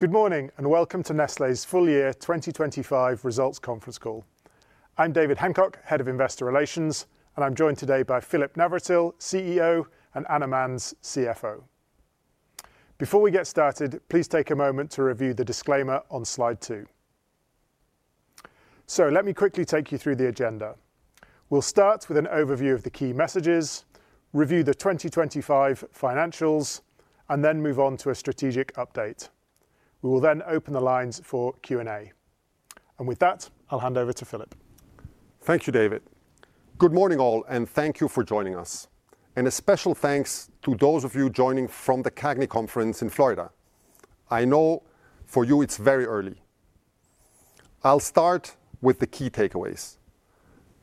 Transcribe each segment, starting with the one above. Good morning, and welcome to Nestlé's Full Year 2025 Results Conference Call. I'm David Hancock, Head of Investor Relations, and I'm joined today by Philipp Navratil, CEO, and Anna Manz, CFO. Before we get started, please take a moment to review the disclaimer on slide two. So let me quickly take you through the agenda. We'll start with an overview of the key messages, review the 2025 financials, and then move on to a strategic update. We will then open the lines for Q&A. With that, I'll hand over to Philipp. Thank you, David. Good morning, all, and thank you for joining us, and a special thanks to those of you joining from the CAGNY Conference in Florida. I know for you it's very early. I'll start with the key takeaways.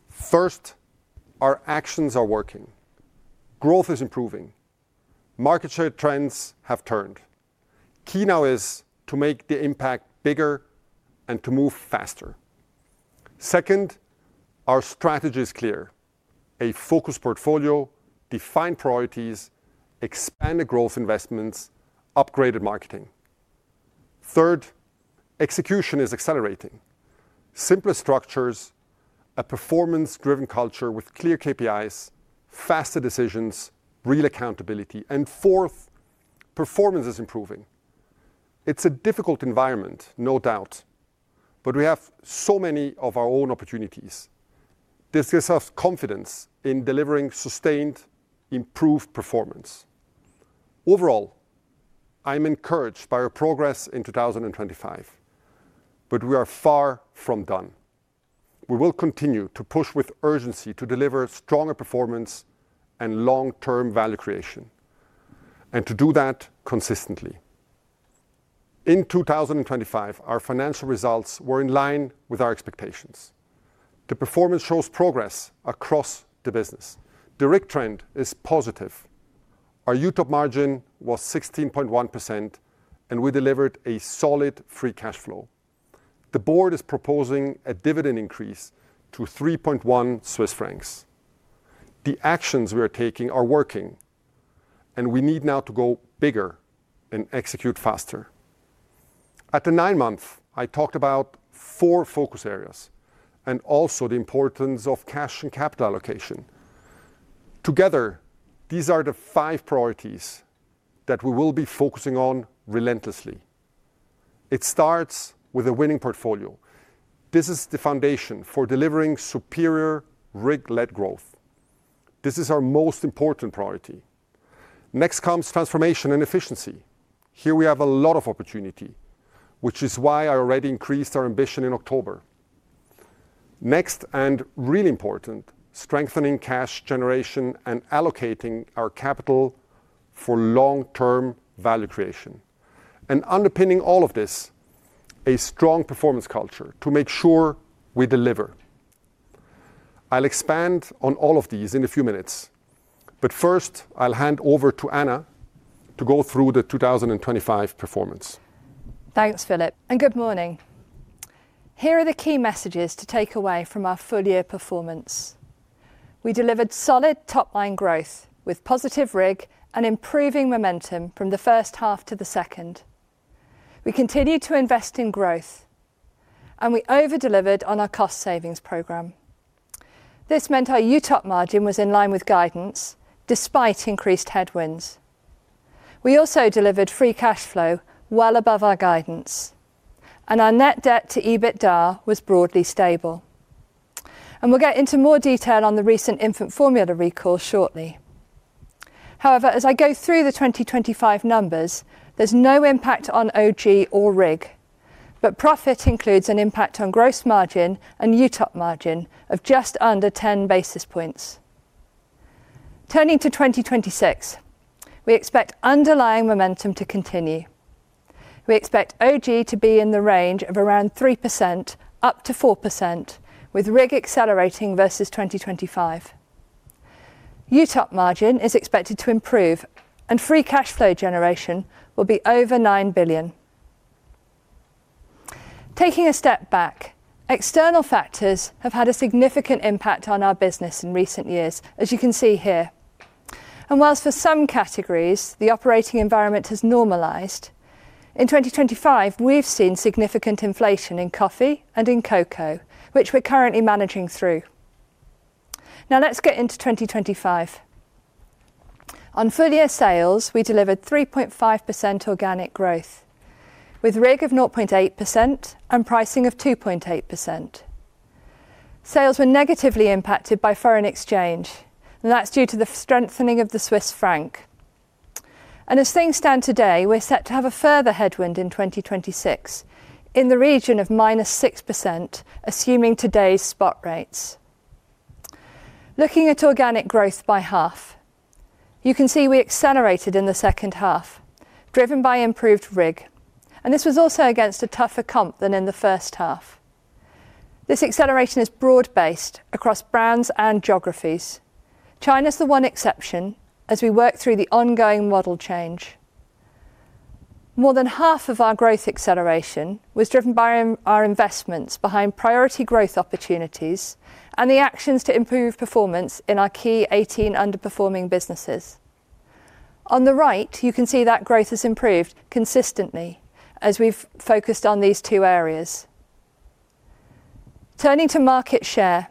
First, our actions are working. Growth is improving. Market share trends have turned. Key now is to make the impact bigger and to move faster. Second, our strategy is clear: a focused portfolio, defined priorities, expanded growth investments, upgraded marketing. Third, execution is accelerating. Simpler structures, a performance-driven culture with clear KPIs, faster decisions, real accountability. Fourth, performance is improving. It's a difficult environment, no doubt, but we have so many of our own opportunities. This gives us confidence in delivering sustained, improved performance. Overall, I'm encouraged by our progress in 2025, but we are far from done. We will continue to push with urgency to deliver stronger performance and long-term value creation, and to do that consistently. In 2025, our financial results were in line with our expectations. The performance shows progress across the business. The RIG trend is positive. Our UTOP margin was 16.1%, and we delivered a solid free cash flow. The board is proposing a dividend increase to 3.1 Swiss francs. The actions we are taking are working, and we need now to go bigger and execute faster. At the nine-month, I talked about four focus areas, and also the importance of cash and capital allocation. Together, these are the five priorities that we will be focusing on relentlessly. It starts with a winning portfolio. This is the foundation for delivering superior RIG-led growth. This is our most important priority. Next comes transformation and efficiency. Here we have a lot of opportunity, which is why I already increased our ambition in October. Next, and really important, strengthening cash generation and allocating our capital for long-term value creation. Underpinning all of this, a strong performance culture to make sure we deliver. I'll expand on all of these in a few minutes, but first, I'll hand over to Anna to go through the 2025 performance. Thanks, Philipp, and good morning. Here are the key messages to take away from our full year performance. We delivered solid top-line growth with positive RIG and improving momentum from the first half to the second. We continued to invest in growth, and we over-delivered on our cost savings program. This meant our UTOP margin was in line with guidance despite increased headwinds. We also delivered free cash flow well above our guidance, and our net debt to EBITDA was broadly stable. We'll get into more detail on the recent infant formula recall shortly. However, as I go through the 2025 numbers, there's no impact on OG or RIG, but profit includes an impact on gross margin and UTOP margin of just under 10 basis points. Turning to 2026, we expect underlying momentum to continue. We expect OG to be in the range of around 3%, up to 4%, with RIG accelerating versus 2025. UTOP margin is expected to improve, and free cash flow generation will be over 9 billion. Taking a step back, external factors have had a significant impact on our business in recent years, as you can see here. While for some categories the operating environment has normalized, in 2025, we've seen significant inflation in coffee and in cocoa, which we're currently managing through. Now, let's get into 2025. On full year sales, we delivered 3.5% organic growth, with RIG of 0.8% and pricing of 2.8%. Sales were negatively impacted by foreign exchange, and that's due to the strengthening of the Swiss franc. As things stand today, we're set to have a further headwind in 2026 in the region of -6%, assuming today's spot rates. Looking at organic growth by half, you can see we accelerated in the second half, driven by improved RIG, and this was also against a tougher comp than in the first half. This acceleration is broad-based across brands and geographies. China's the one exception as we work through the ongoing model change. More than half of our growth acceleration was driven by our investments behind priority growth opportunities and the actions to improve performance in our key 18 underperforming businesses. On the right, you can see that growth has improved consistently as we've focused on these two areas. Turning to market share,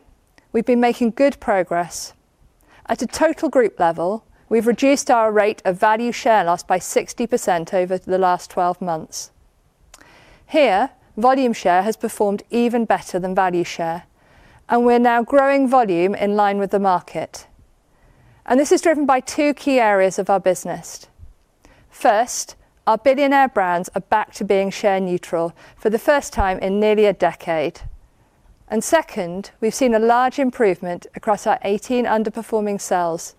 we've been making good progress. At a total group level, we've reduced our rate of value share loss by 60% over the last 12 months. Here, volume share has performed even better than value share, and we're now growing volume in line with the market, and this is driven by two key areas of our business. First, our Billionaire brands are back to being share neutral for the first time in nearly a decade. And second, we've seen a large improvement across our 18 underperforming sales,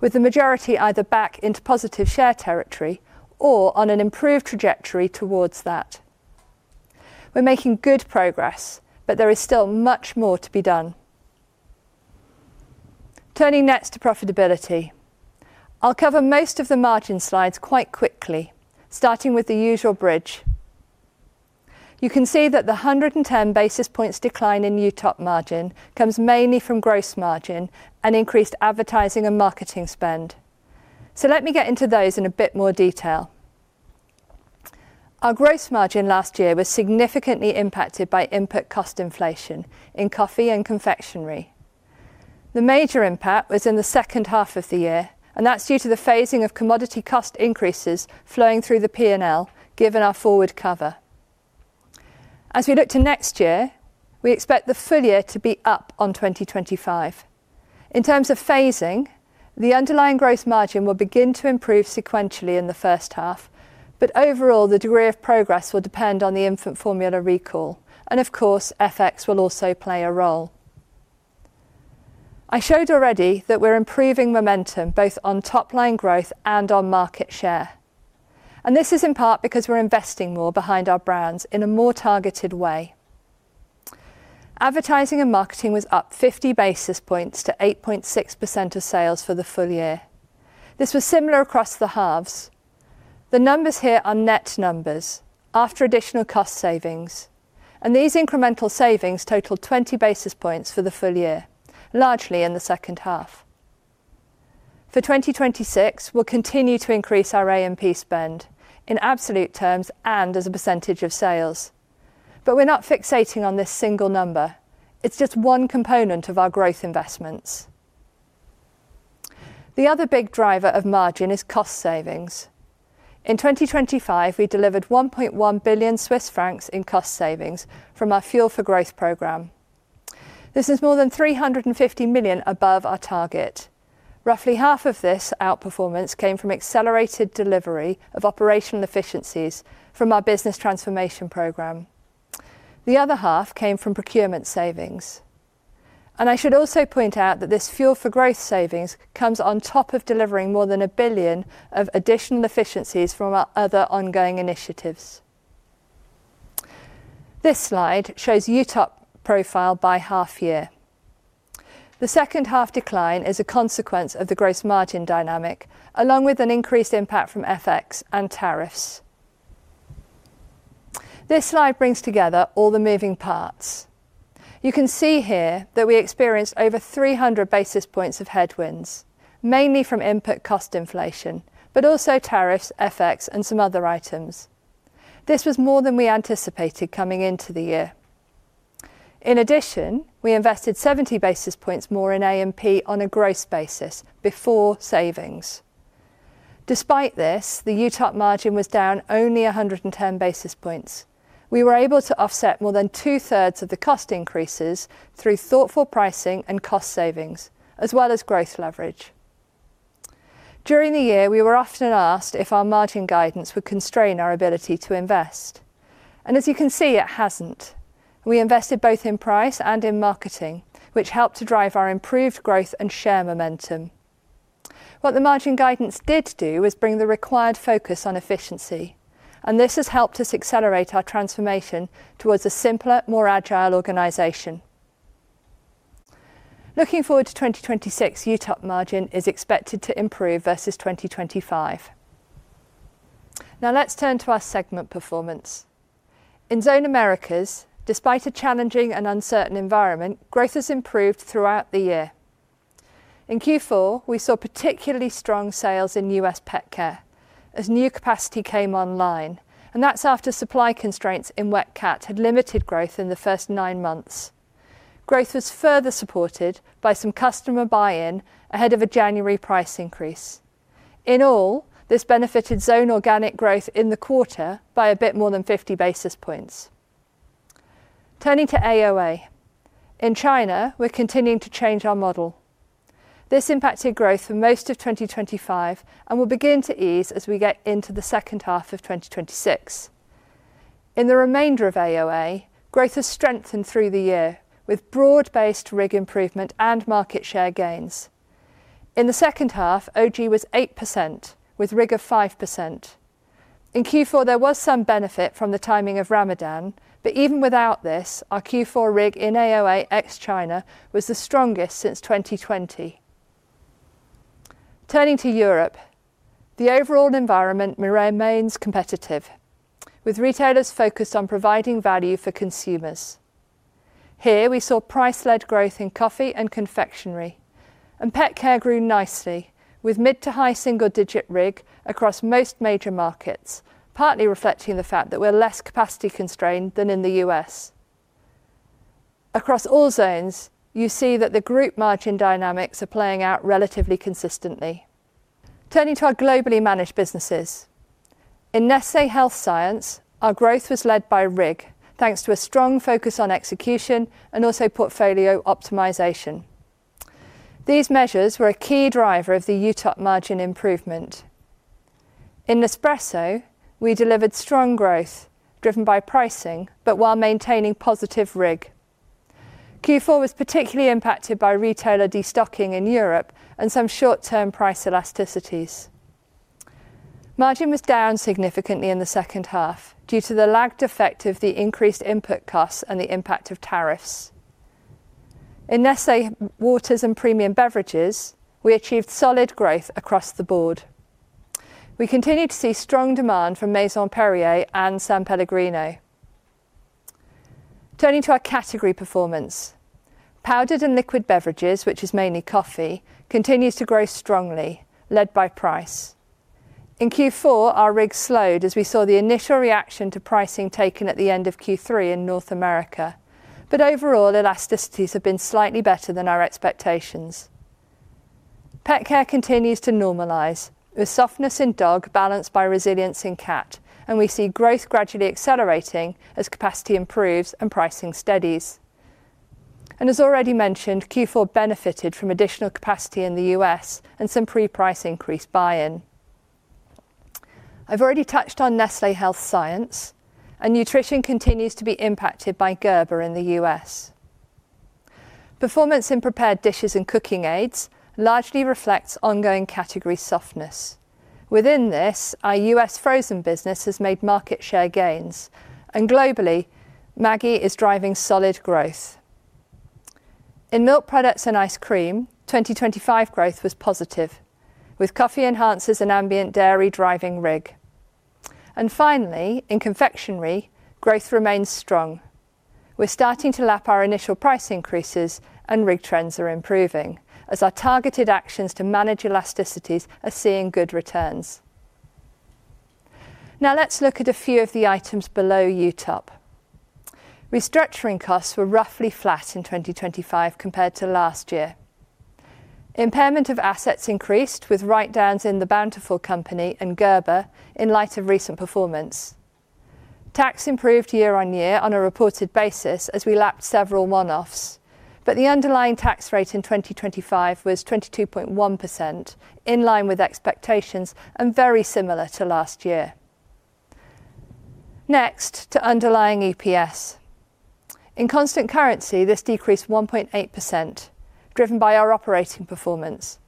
with the majority either back into positive share territory or on an improved trajectory towards that. We're making good progress, but there is still much more to be done. Turning next to profitability. I'll cover most of the margin slides quite quickly, starting with the usual bridge. You can see that the 110 basis points decline in UTOP margin comes mainly from gross margin and increased advertising and marketing spend. So let me get into those in a bit more detail. Our gross margin last year was significantly impacted by input cost inflation in coffee and confectionery. The major impact was in the second half of the year, and that's due to the phasing of commodity cost increases flowing through the P&L, given our forward cover. As we look to next year, we expect the full year to be up on 2025. In terms of phasing, the underlying gross margin will begin to improve sequentially in the first half, but overall, the degree of progress will depend on the infant formula recall, and of course, FX will also play a role. I showed already that we're improving momentum, both on top line growth and on market share, and this is in part because we're investing more behind our brands in a more targeted way. Advertising and marketing was up 50 basis points to 8.6% of sales for the full year. This was similar across the halves. The numbers here are net numbers after additional cost savings, and these incremental savings totaled 20 basis points for the full year, largely in the second half. For 2026, we'll continue to increase our A&P spend in absolute terms and as a percentage of sales. But we're not fixating on this single number. It's just one component of our growth investments. The other big driver of margin is cost savings. In 2025, we delivered 1.1 billion Swiss francs in cost savings from our Fuel for Growth program. This is more than 350 million above our target. Roughly half of this outperformance came from accelerated delivery of operational efficiencies from our business transformation program. The other half came from procurement savings, and I should also point out that this Fuel for Growth savings comes on top of delivering more than 1 billion of additional efficiencies from our other ongoing initiatives. This slide shows UTOP profile by half year. The second half decline is a consequence of the gross margin dynamic, along with an increased impact from FX and tariffs. This slide brings together all the moving parts. You can see here that we experienced over 300 basis points of headwinds, mainly from input cost inflation, but also tariffs, FX, and some other items. This was more than we anticipated coming into the year. In addition, we invested 70 basis points more in A&P on a gross basis before savings. Despite this, the UTOP margin was down only 110 basis points. We were able to offset more than two-thirds of the cost increases through thoughtful pricing and cost savings, as well as growth leverage. During the year, we were often asked if our margin guidance would constrain our ability to invest, and as you can see, it hasn't. We invested both in price and in marketing, which helped to drive our improved growth and share momentum. What the margin guidance did do was bring the required focus on efficiency, and this has helped us accelerate our transformation towards a simpler, more agile organization. Looking forward to 2026, UTOP margin is expected to improve versus 2025. Now, let's turn to our segment performance. In Zone Americas, despite a challenging and uncertain environment, growth has improved throughout the year. In Q4, we saw particularly strong sales in U.S. pet care as new capacity came online, and that's after supply constraints in wet cat had limited growth in the first nine months. Growth was further supported by some customer buy-in ahead of a January price increase. In all, this benefited zone organic growth in the quarter by a bit more than 50 basis points. Turning to AoA. In China, we're continuing to change our model. This impacted growth for most of 2025 and will begin to ease as we get into the second half of 2026. In the remainder of AoA, growth has strengthened through the year, with broad-based RIG improvement and market share gains. In the second half, OG was 8%, with RIG of 5%. In Q4, there was some benefit from the timing of Ramadan, but even without this, our Q4 RIG in AoA ex China was the strongest since 2020. Turning to Europe, the overall environment remains competitive, with retailers focused on providing value for consumers. Here, we saw price-led growth in coffee and confectionery, and pet care grew nicely, with mid to high single-digit RIG across most major markets, partly reflecting the fact that we're less capacity constrained than in the US. Across all zones, you see that the group margin dynamics are playing out relatively consistently. Turning to our globally managed businesses. In Nestlé Health Science, our growth was led by RIG, thanks to a strong focus on execution and also portfolio optimization. These measures were a key driver of the UTOP margin improvement. In Nespresso, we delivered strong growth, driven by pricing, but while maintaining positive RIG. Q4 was particularly impacted by retailer destocking in Europe and some short-term price elasticities. Margin was down significantly in the second half due to the lagged effect of the increased input costs and the impact of tariffs. In Nestlé Waters and Premium Beverages, we achieved solid growth across the board. We continued to see strong demand from Maison Perrier and San Pellegrino. Turning to our category performance. Powdered and liquid beverages, which is mainly coffee, continues to grow strongly, led by price. In Q4, our RIG slowed as we saw the initial reaction to pricing taken at the end of Q3 in North America. But overall, elasticities have been slightly better than our expectations. Pet care continues to normalize, with softness in dog balanced by resilience in cat, and we see growth gradually accelerating as capacity improves and pricing steadies. As already mentioned, Q4 benefited from additional capacity in the U.S. and some pre-price increase buy-in. I've already touched on Nestlé Health Science, and nutrition continues to be impacted by Gerber in the U.S. Performance in prepared dishes and cooking aids largely reflects ongoing category softness. Within this, our U.S. frozen business has made market share gains, and globally, Maggi is driving solid growth. In milk products and ice cream, 2025 growth was positive, with coffee enhancers and ambient dairy driving RIG. Finally, in confectionery, growth remains strong. We're starting to lap our initial price increases, and RIG trends are improving, as our targeted actions to manage elasticities are seeing good returns. Now let's look at a few of the items below UTOP. Restructuring costs were roughly flat in 2025 compared to last year. Impairment of assets increased, with write-downs in the Bountiful Company and Gerber in light of recent performance. Tax improved year-over-year on a reported basis as we lapped several one-offs, but the underlying tax rate in 2025 was 22.1%, in line with expectations and very similar to last year. Next, to underlying EPS. In constant currency, this decreased 1.8%, driven by our operating performance.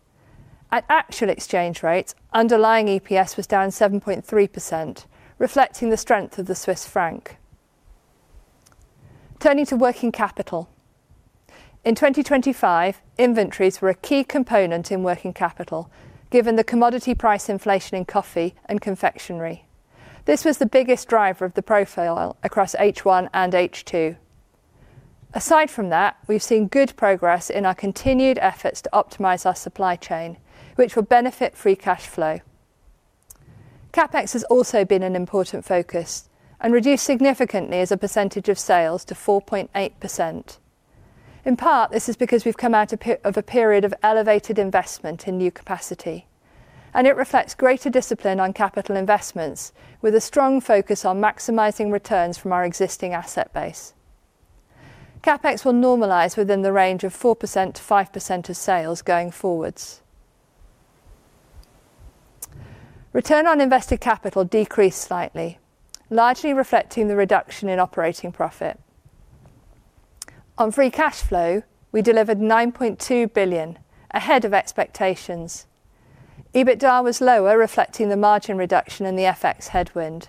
At actual exchange rates, underlying EPS was down 7.3%, reflecting the strength of the Swiss franc. Turning to working capital. In 2025, inventories were a key component in working capital, given the commodity price inflation in coffee and confectionery. This was the biggest driver of the profile across H1 and H2. Aside from that, we've seen good progress in our continued efforts to optimize our supply chain, which will benefit free cash flow. CapEx has also been an important focus and reduced significantly as a percentage of sales to 4.8%. In part, this is because we've come out of a period of elevated investment in new capacity, and it reflects greater discipline on capital investments, with a strong focus on maximizing returns from our existing asset base. CapEx will normalize within the range of 4%-5% of sales going forwards. Return on invested capital decreased slightly, largely reflecting the reduction in operating profit. On free cash flow, we delivered 9.2 billion, ahead of expectations. EBITDA was lower, reflecting the margin reduction and the FX headwind.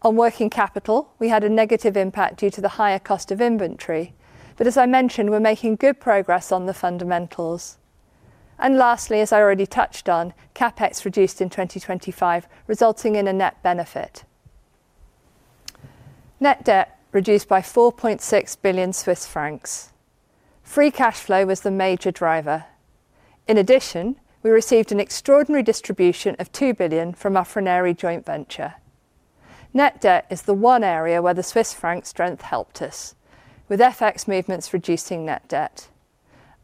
On working capital, we had a negative impact due to the higher cost of inventory, but as I mentioned, we're making good progress on the fundamentals. And lastly, as I already touched on, CapEx reduced in 2025, resulting in a net benefit. Net debt reduced by 4.6 billion Swiss francs. Free cash flow was the major driver. In addition, we received an extraordinary distribution of 2 billion from our Fresenius joint venture. Net debt is the one area where the Swiss franc strength helped us, with FX movements reducing net debt.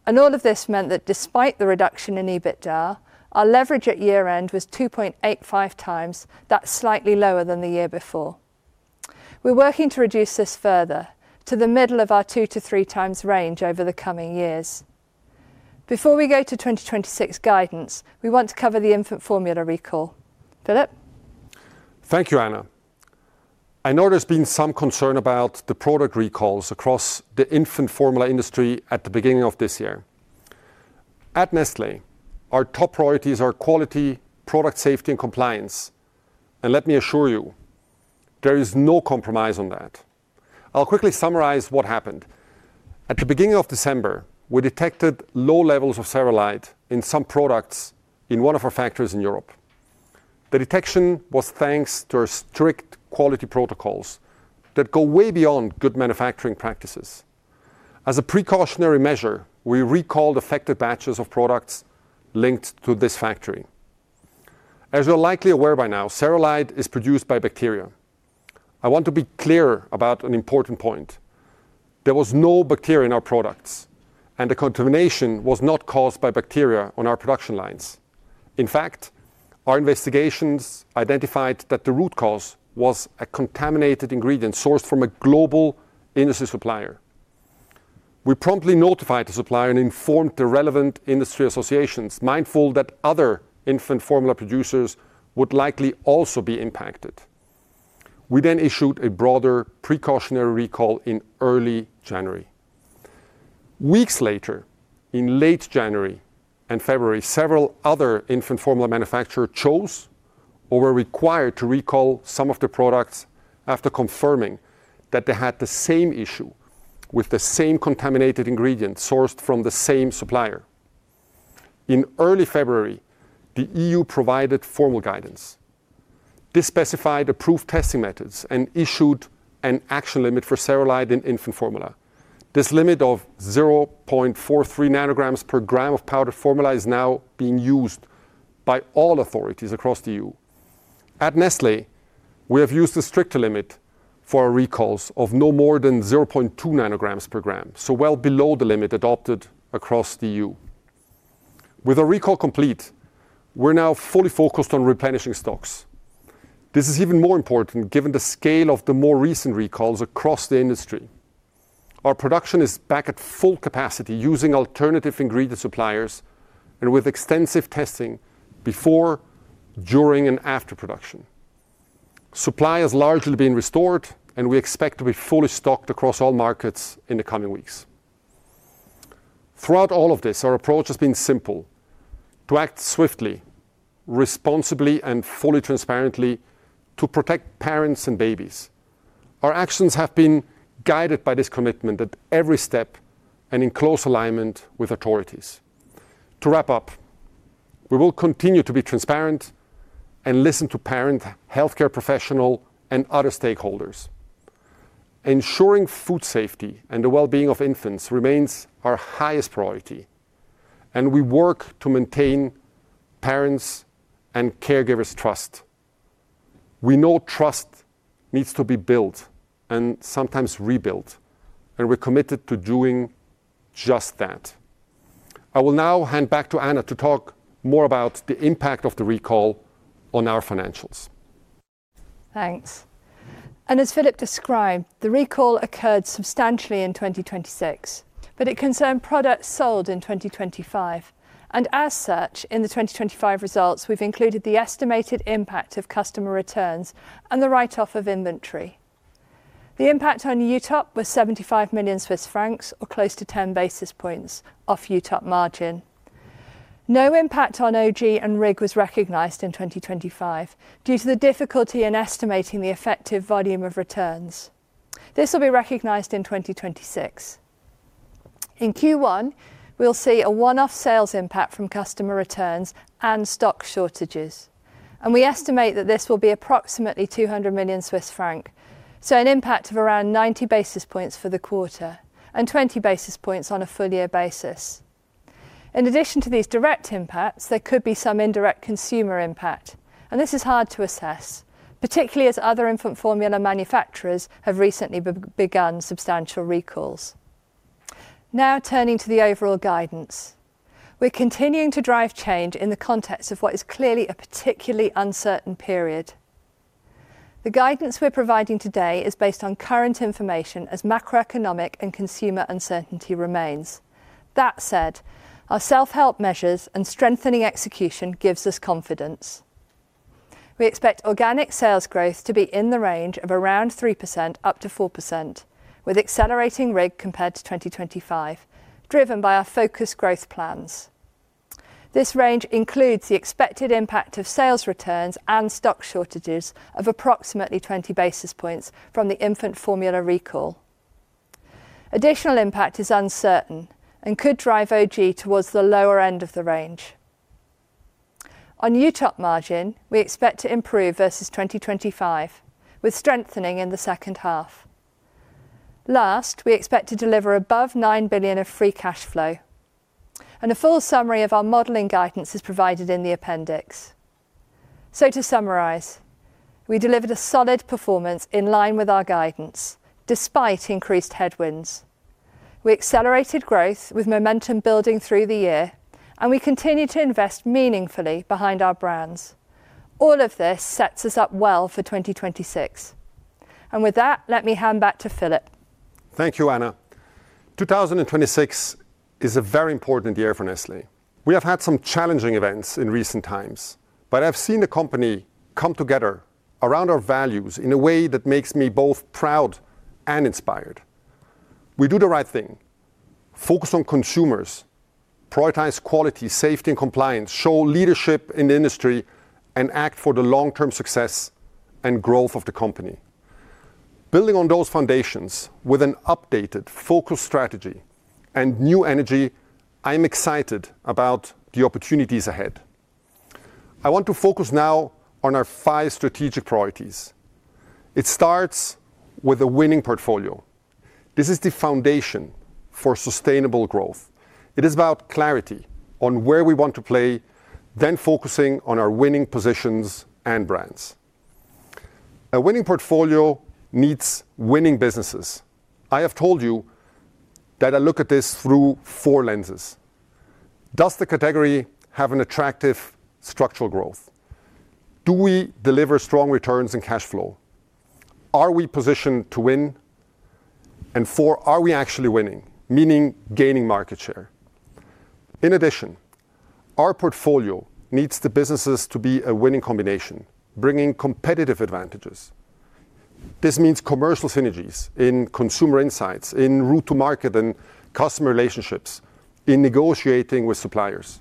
And all of this meant that despite the reduction in EBITDA, our leverage at year-end was 2.85 times. That's slightly lower than the year before. We're working to reduce this further to the middle of our two to three times range over the coming years. Before we go to 2026 guidance, we want to cover the infant formula recall. Philip? Thank you, Anna. I know there's been some concern about the product recalls across the infant formula industry at the beginning of this year. At Nestlé, our top priorities are quality, product safety, and compliance, and let me assure you, there is no compromise on that. I'll quickly summarize what happened. At the beginning of December, we detected low levels of cereulide in some products in one of our factories in Europe. The detection was thanks to our strict quality protocols that go way beyond Good Manufacturing Practices. As a precautionary measure, we recalled affected batches of products linked to this factory. As you're likely aware by now, cereulide is produced by bacteria. I want to be clear about an important point: there was no bacteria in our products, and the contamination was not caused by bacteria on our production lines. In fact, our investigations identified that the root cause was a contaminated ingredient sourced from a global industry supplier. We promptly notified the supplier and informed the relevant industry associations, mindful that other infant formula producers would likely also be impacted. We then issued a broader precautionary recall in early January. Weeks later, in late January and February, several other infant formula manufacturers chose or were required to recall some of the products after confirming that they had the same issue with the same contaminated ingredient sourced from the same supplier. In early February, the EU provided formal guidance. This specified approved testing methods and issued an action limit for cereulide in infant formula. This limit of 0.43 nanograms per gram of powdered formula is now being used by all authorities across the EU. At Nestlé, we have used a stricter limit for our recalls of no more than 0.2 nanograms per gram, so well below the limit adopted across the EU. With our recall complete, we're now fully focused on replenishing stocks. This is even more important given the scale of the more recent recalls across the industry. Our production is back at full capacity, using alternative ingredient suppliers and with extensive testing before, during, and after production. Supply has largely been restored, and we expect to be fully stocked across all markets in the coming weeks. Throughout all of this, our approach has been simple: to act swiftly, responsibly, and fully transparently to protect parents and babies. Our actions have been guided by this commitment at every step and in close alignment with authorities. To wrap up, we will continue to be transparent and listen to parents, healthcare professionals, and other stakeholders. Ensuring food safety and the well-being of infants remains our highest priority, and we work to maintain parents' and caregivers' trust. We know trust needs to be built and sometimes rebuilt, and we're committed to doing just that. I will now hand back to Anna to talk more about the impact of the recall on our financials. Thanks. As Philipp described, the recall occurred substantially in 2026, but it concerned products sold in 2025. As such, in the 2025 results, we've included the estimated impact of customer returns and the write-off of inventory. The impact on UTOP was 75 million Swiss francs, or close to 10 basis points off UTOP margin. No impact on OG and RIG was recognized in 2025 due to the difficulty in estimating the effective volume of returns. This will be recognized in 2026. In Q1, we'll see a one-off sales impact from customer returns and stock shortages, and we estimate that this will be approximately 200 million Swiss franc, so an impact of around 90 basis points for the quarter and 20 basis points on a full year basis. In addition to these direct impacts, there could be some indirect consumer impact, and this is hard to assess, particularly as other infant formula manufacturers have recently begun substantial recalls. Now, turning to the overall guidance. We're continuing to drive change in the context of what is clearly a particularly uncertain period. The guidance we're providing today is based on current information as macroeconomic and consumer uncertainty remains. That said, our self-help measures and strengthening execution gives us confidence. We expect organic sales growth to be in the range of around 3%, up to 4%, with accelerating RIG compared to 2025, driven by our focused growth plans. This range includes the expected impact of sales returns and stock shortages of approximately 20 basis points from the infant formula recall. Additional impact is uncertain and could drive OG towards the lower end of the range. On UTOP margin, we expect to improve versus 2025, with strengthening in the second half. Last, we expect to deliver above 9 billion of free cash flow, and a full summary of our modeling guidance is provided in the appendix. So to summarize, we delivered a solid performance in line with our guidance, despite increased headwinds. We accelerated growth with momentum building through the year, and we continue to invest meaningfully behind our brands. All of this sets us up well for 2026. And with that, let me hand back to Philipp. Thank you, Anna. 2026 is a very important year for Nestlé. We have had some challenging events in recent times, but I've seen the company come together around our values in a way that makes me both proud and inspired. We do the right thing, focus on consumers, prioritize quality, safety, and compliance, show leadership in the industry, and act for the long-term success and growth of the company. Building on those foundations with an updated focus strategy and new energy, I am excited about the opportunities ahead. I want to focus now on our five strategic priorities. It starts with a winning portfolio. This is the foundation for sustainable growth. It is about clarity on where we want to play, then focusing on our winning positions and brands. A winning portfolio needs winning businesses. I have told you that I look at this through four lenses. Does the category have an attractive structural growth? Do we deliver strong returns and cash flow? Are we positioned to win? And four, are we actually winning, meaning gaining market share? In addition, our portfolio needs the businesses to be a winning combination, bringing competitive advantages. This means commercial synergies in consumer insights, in route to market and customer relationships, in negotiating with suppliers.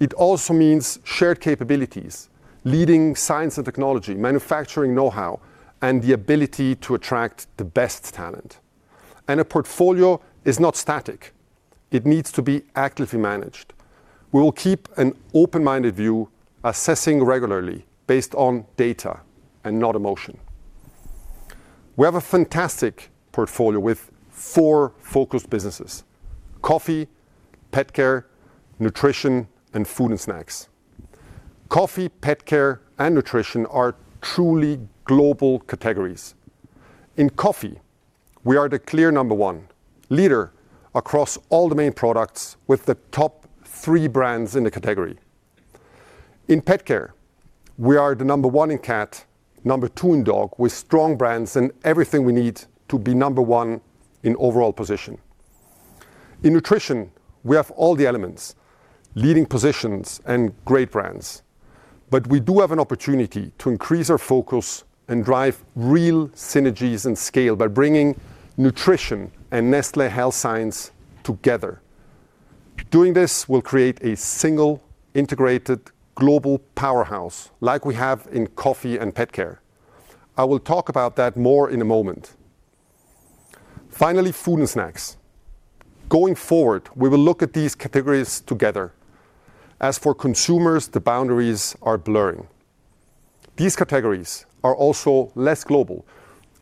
It also means shared capabilities, leading science and technology, manufacturing know-how, and the ability to attract the best talent. And a portfolio is not static. It needs to be actively managed. We will keep an open-minded view, assessing regularly based on data and not emotion. We have a fantastic portfolio with four focused businesses: coffee, pet care, nutrition, and food and snacks. Coffee, pet care, and nutrition are truly global categories. In coffee, we are the clear No. 1 leader across all the main products, with the top three brands in the category. In pet care, we are the Number one in cat, Number two in dog, with strong brands and everything we need to be No. 1 in overall position. In nutrition, we have all the elements, leading positions and great brands, but we do have an opportunity to increase our focus and drive real synergies and scale by bringing nutrition and Nestlé Health Science together. Doing this will create a single, integrated global powerhouse like we have in coffee and pet care. I will talk about that more in a moment. Finally, food and snacks. Going forward, we will look at these categories together. As for consumers, the boundaries are blurring. These categories are also less global.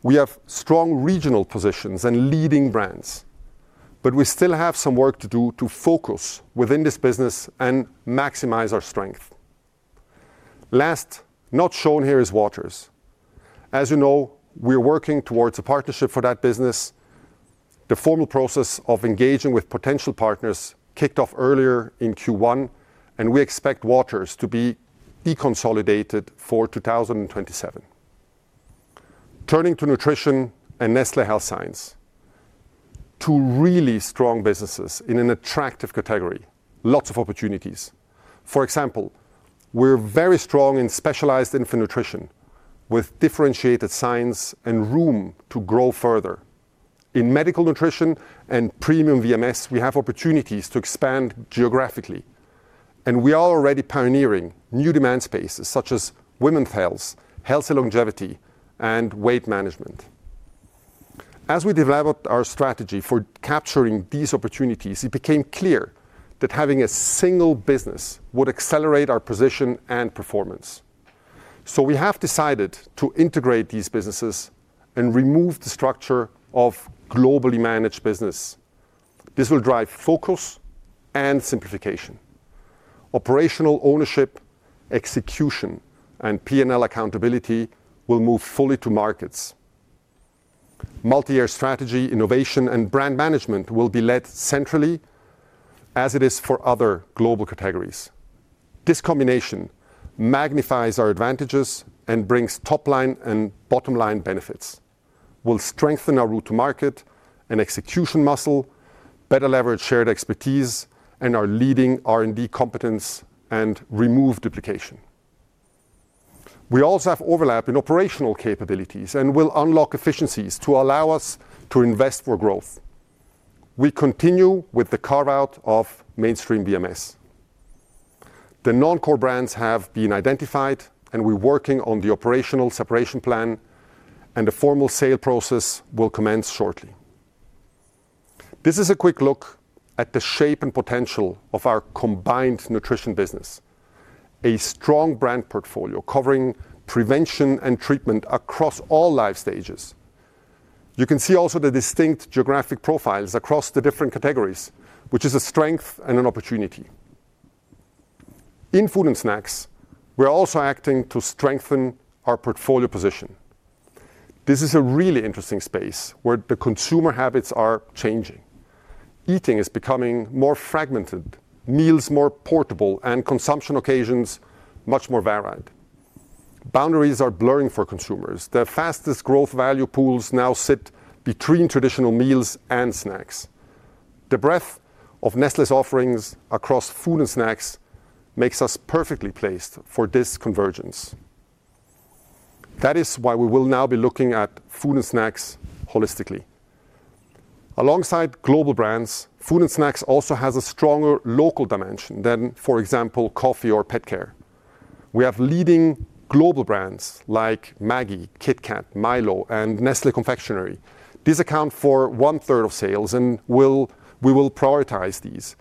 We have strong regional positions and leading brands, but we still have some work to do to focus within this business and maximize our strength. Last, not shown here is Waters. As you know, we are working towards a partnership for that business. The formal process of engaging with potential partners kicked off earlier in Q1, and we expect Waters to be deconsolidated for 2027. Turning to Nutrition and Nestlé Health Science, two really strong businesses in an attractive category, lots of opportunities. For example, we're very strong in specialized infant nutrition, with differentiated science and room to grow further. In medical nutrition and premium VMS, we have opportunities to expand geographically, and we are already pioneering new demand spaces such as women's health, health and longevity, and weight management. As we developed our strategy for capturing these opportunities, it became clear that having a single business would accelerate our position and performance. So we have decided to integrate these businesses and remove the structure of Globally Managed Business. This will drive focus and simplification. Operational ownership, execution, and P&L accountability will move fully to markets. Multi-year strategy, innovation, and brand management will be led centrally as it is for other global categories. This combination magnifies our advantages and brings top-line and bottom-line benefits. We'll strengthen our route to market and execution muscle, better leverage shared expertise and our leading R&D competence, and remove duplication. We also have overlap in operational capabilities and will unlock efficiencies to allow us to invest for growth. We continue with the carve-out of mainstream VMS. The non-core brands have been identified, and we're working on the operational separation plan, and the formal sale process will commence shortly. This is a quick look at the shape and potential of our combined nutrition business. A strong brand portfolio covering prevention and treatment across all life stages. You can see also the distinct geographic profiles across the different categories, which is a strength and an opportunity. In food and snacks, we're also acting to strengthen our portfolio position. This is a really interesting space where the consumer habits are changing. Eating is becoming more fragmented, meals more portable, and consumption occasions much more varied. Boundaries are blurring for consumers. The fastest growth value pools now sit between traditional meals and snacks. The breadth of Nestlé's offerings across food and snacks makes us perfectly placed for this convergence. That is why we will now be looking at food and snacks holistically. Alongside global brands, food and snacks also has a stronger local dimension than, for example, coffee or pet care. We have leading global brands like Maggi, KitKat, Milo, and Nestlé Confectionery. These account for one-third of sales and we'll, we will prioritize these.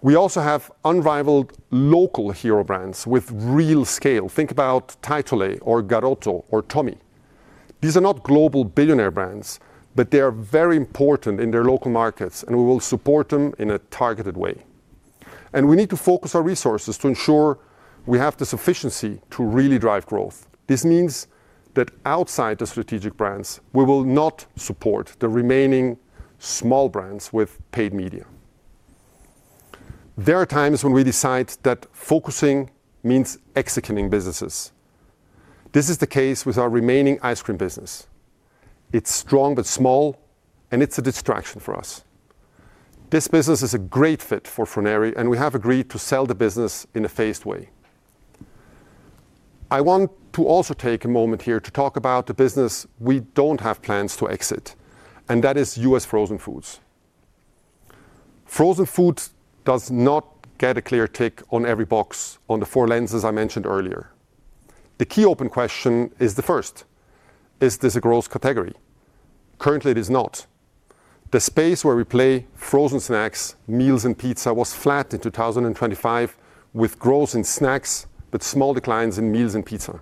We also have unrivaled local hero brands with real scale. Think about l'Atelier or Garoto or Thomy. These are not global billionaire brands, but they are very important in their local markets, and we will support them in a targeted way. And we need to focus our resources to ensure we have the sufficiency to really drive growth. This means that outside the strategic brands, we will not support the remaining small brands with paid media. There are times when we decide that focusing means exiting businesses. This is the case with our remaining ice cream business. It's strong but small, and it's a distraction for us. This business is a great fit for Froneri, and we have agreed to sell the business in a phased way. I want to also take a moment here to talk about the business we don't have plans to exit, and that is U.S. frozen foods. Frozen foods does not get a clear tick on every box on the four lenses I mentioned earlier. The key open question is the first: Is this a growth category? Currently, it is not. The space where we play frozen snacks, meals, and pizza was flat in 2025, with growth in snacks, but small declines in meals and pizza.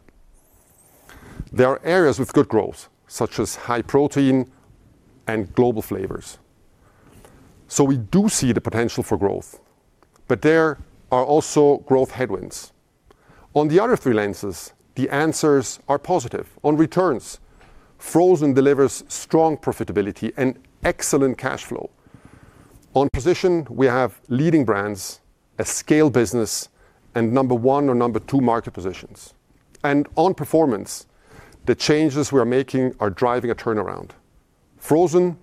There are areas with good growth, such as high protein and global flavors. We do see the potential for growth, but there are also growth headwinds. On the other three lenses, the answers are positive. On returns, frozen delivers strong profitability and excellent cash flow. On position, we have leading brands, a scale business, and number one or number two market positions. On performance, the changes we are making are driving a turnaround. Frozen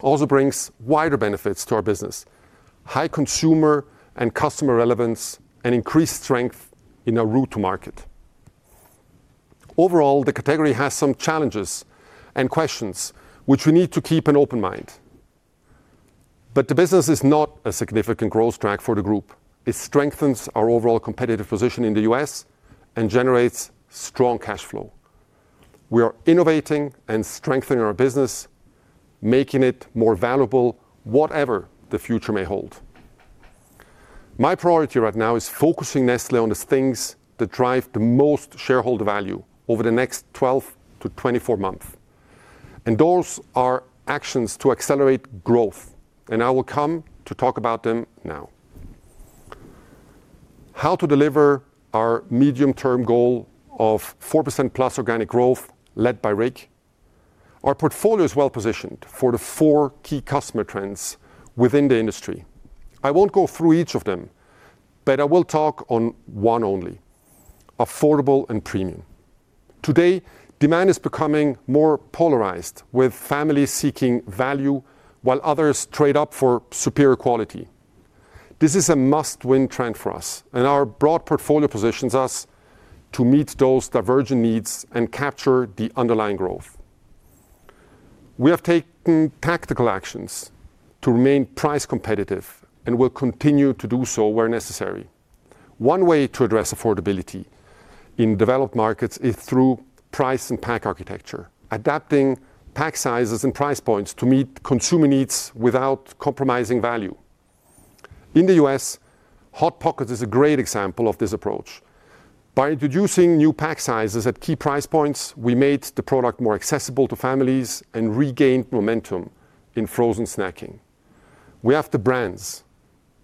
also brings wider benefits to our business, high consumer and customer relevance, and increased strength in our route to market. Overall, the category has some challenges and questions, which we need to keep an open mind. The business is not a significant growth track for the group. It strengthens our overall competitive position in the U.S. and generates strong cash flow. We are innovating and strengthening our business, making it more valuable, whatever the future may hold. My priority right now is focusing Nestlé on the things that drive the most shareholder value over the next 12 to 24 months, and those are actions to accelerate growth, and I will come to talk about them now. How to deliver our medium-term goal of 4%+ organic growth led by RIG? Our portfolio is well positioned for the four key customer trends within the industry. I won't go through each of them, but I will talk on one only: affordable and premium. Today, demand is becoming more polarized, with families seeking value while others trade up for superior quality. This is a must-win trend for us, and our broad portfolio positions us to meet those divergent needs and capture the underlying growth. We have taken tactical actions to remain price competitive and will continue to do so where necessary. One way to address affordability in developed markets is through price and pack architecture, adapting pack sizes and price points to meet consumer needs without compromising value. In the U.S., Hot Pockets is a great example of this approach. By introducing new pack sizes at key price points, we made the product more accessible to families and regained momentum in frozen snacking. We have the brands,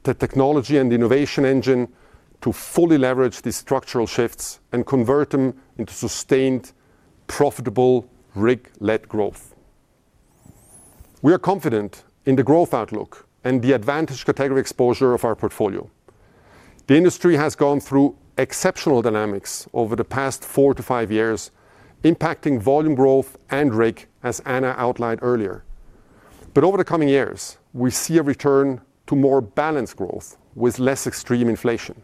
the technology and innovation engine to fully leverage these structural shifts and convert them into sustained, profitable, RIG-led growth. We are confident in the growth outlook and the advantage category exposure of our portfolio. The industry has gone through exceptional dynamics over the past four to five years, impacting volume growth and RIG, as Anna outlined earlier. Over the coming years, we see a return to more balanced growth with less extreme inflation.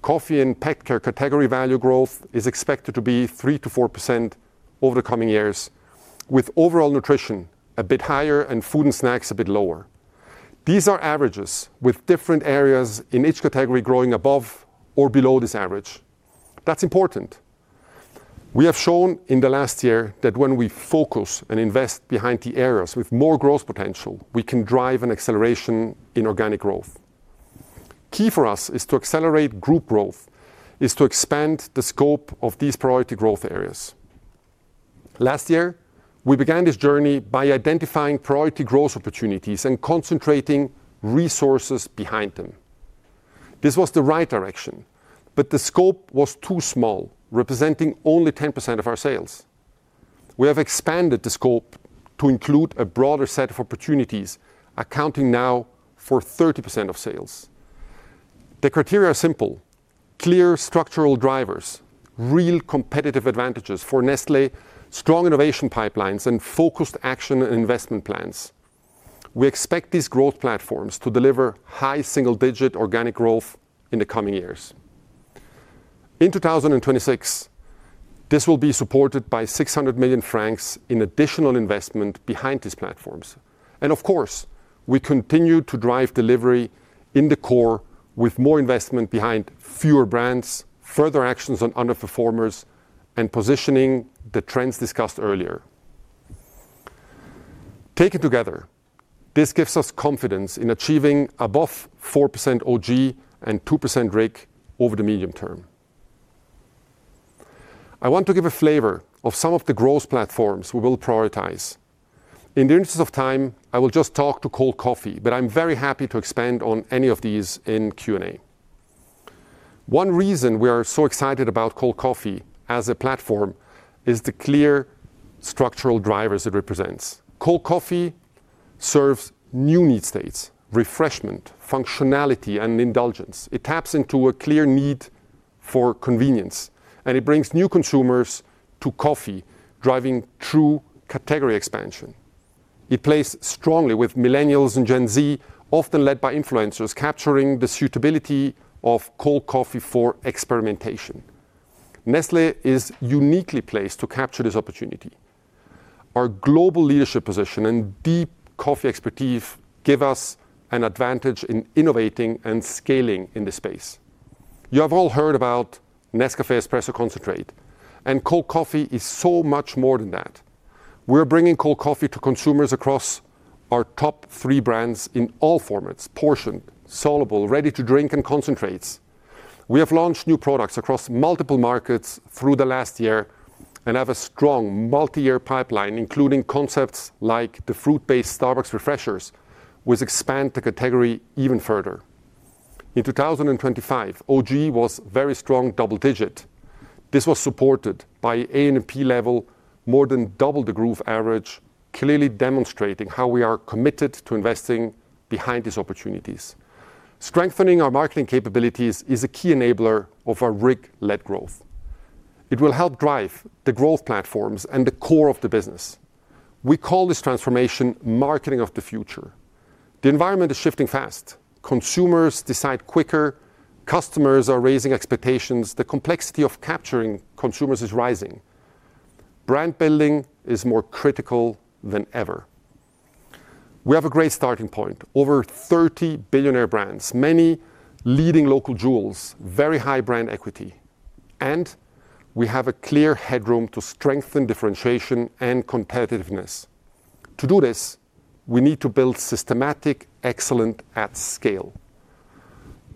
Coffee and pet care category value growth is expected to be 3%-4% over the coming years, with overall nutrition a bit higher and food and snacks a bit lower. These are averages, with different areas in each category growing above or below this average. That's important. We have shown in the last year that when we focus and invest behind the areas with more growth potential, we can drive an acceleration in organic growth. Key for us is to accelerate group growth, is to expand the scope of these priority growth areas. Last year, we began this journey by identifying priority growth opportunities and concentrating resources behind them. This was the right direction, but the scope was too small, representing only 10% of our sales. We have expanded the scope to include a broader set of opportunities, accounting now for 30% of sales. The criteria are simple: clear structural drivers, real competitive advantages for Nestlé, strong innovation pipelines, and focused action and investment plans. We expect these growth platforms to deliver high single-digit organic growth in the coming years. In 2026, this will be supported by 600 million francs in additional investment behind these platforms. Of course, we continue to drive delivery in the core with more investment behind fewer brands, further actions on underperformers, and positioning the trends discussed earlier. Taken together, this gives us confidence in achieving above 4% OG and 2% RIG over the medium term. I want to give a flavor of some of the growth platforms we will prioritize. In the interest of time, I will just talk to cold coffee, but I'm very happy to expand on any of these in Q&A. One reason we are so excited about cold coffee as a platform is the clear structural drivers it represents. Cold coffee serves new need states, refreshment, functionality, and indulgence. It taps into a clear need for convenience, and it brings new consumers to coffee, driving true category expansion. It plays strongly with millennials and Gen Z, often led by influencers, capturing the suitability of cold coffee for experimentation. Nestlé is uniquely placed to capture this opportunity. Our global leadership position and deep coffee expertise give us an advantage in innovating and scaling in this space. You have all heard about Nescafé Espresso Concentrate, and cold coffee is so much more than that. We're bringing cold coffee to consumers across our top three brands in all formats: portioned, soluble, ready-to-drink, and concentrates. We have launched new products across multiple markets through the last year and have a strong multi-year pipeline, including concepts like the fruit-based Starbucks Refreshers, which expand the category even further. In 2025, OG was very strong double-digit. This was supported by A&P level, more than double the group average, clearly demonstrating how we are committed to investing behind these opportunities. Strengthening our marketing capabilities is a key enabler of our RIG-led growth. It will help drive the growth platforms and the core of the business. We call this transformation marketing of the future. The environment is shifting fast. Consumers decide quicker, customers are raising expectations, the complexity of capturing consumers is rising. Brand building is more critical than ever. We have a great starting point. Over 30 billionaire brands, many leading local jewels, very high brand equity, and we have a clear headroom to strengthen differentiation and competitiveness. To do this, we need to build systematic excellence at scale.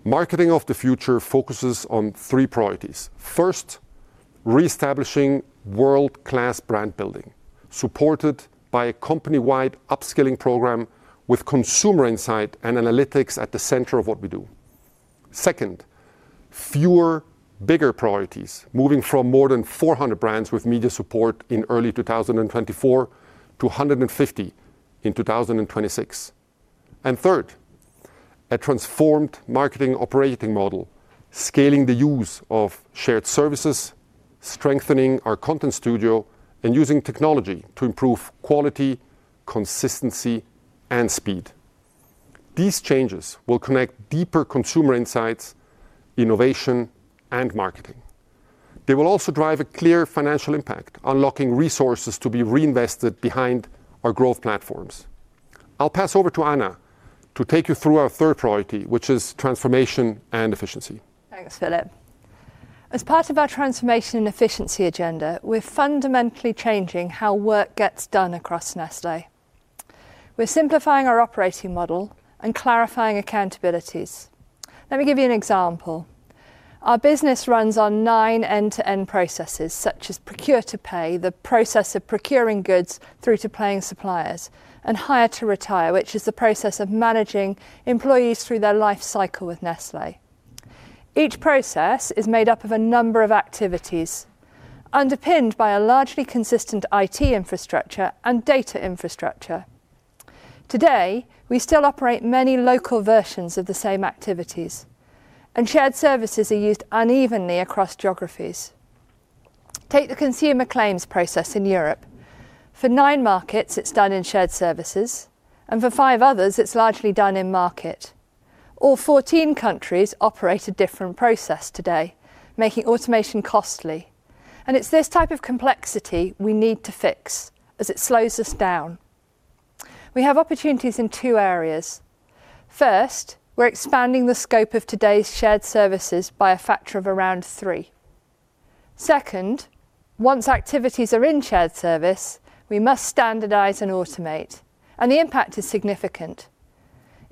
Marketing of the future focuses on three priorities: First, reestablishing world-class brand building, supported by a company-wide upskilling program with consumer insight and analytics at the center of what we do. Second, fewer, bigger priorities, moving from more than 400 brands with media support in early 2024 to 150 in 2026. And third, a transformed marketing operating model, scaling the use of shared services, strengthening our content studio, and using technology to improve quality, consistency, and speed. These changes will connect deeper consumer insights, innovation, and marketing. They will also drive a clear financial impact, unlocking resources to be reinvested behind our growth platforms. I'll pass over to Anna to take you through our third priority, which is transformation and efficiency. Thanks, Philipp. As part of our transformation and efficiency agenda, we're fundamentally changing how work gets done across Nestlé. We're simplifying our operating model and clarifying accountabilities. Let me give you an example. Our business runs on nine end-to-end processes, such as procure to pay, the process of procuring goods through to paying suppliers, and hire to retire, which is the process of managing employees through their life cycle with Nestlé. Each process is made up of a number of activities, underpinned by a largely consistent IT infrastructure and data infrastructure. Today, we still operate many local versions of the same activities, and shared services are used unevenly across geographies. Take the consumer claims process in Europe. For nine markets, it's done in shared services, and for five others, it's largely done in-market. All 14 countries operate a different process today, making automation costly, and it's this type of complexity we need to fix as it slows us down. We have opportunities in two areas. First, we're expanding the scope of today's shared services by a factor of around three. Second, once activities are in shared service, we must standardize and automate, and the impact is significant.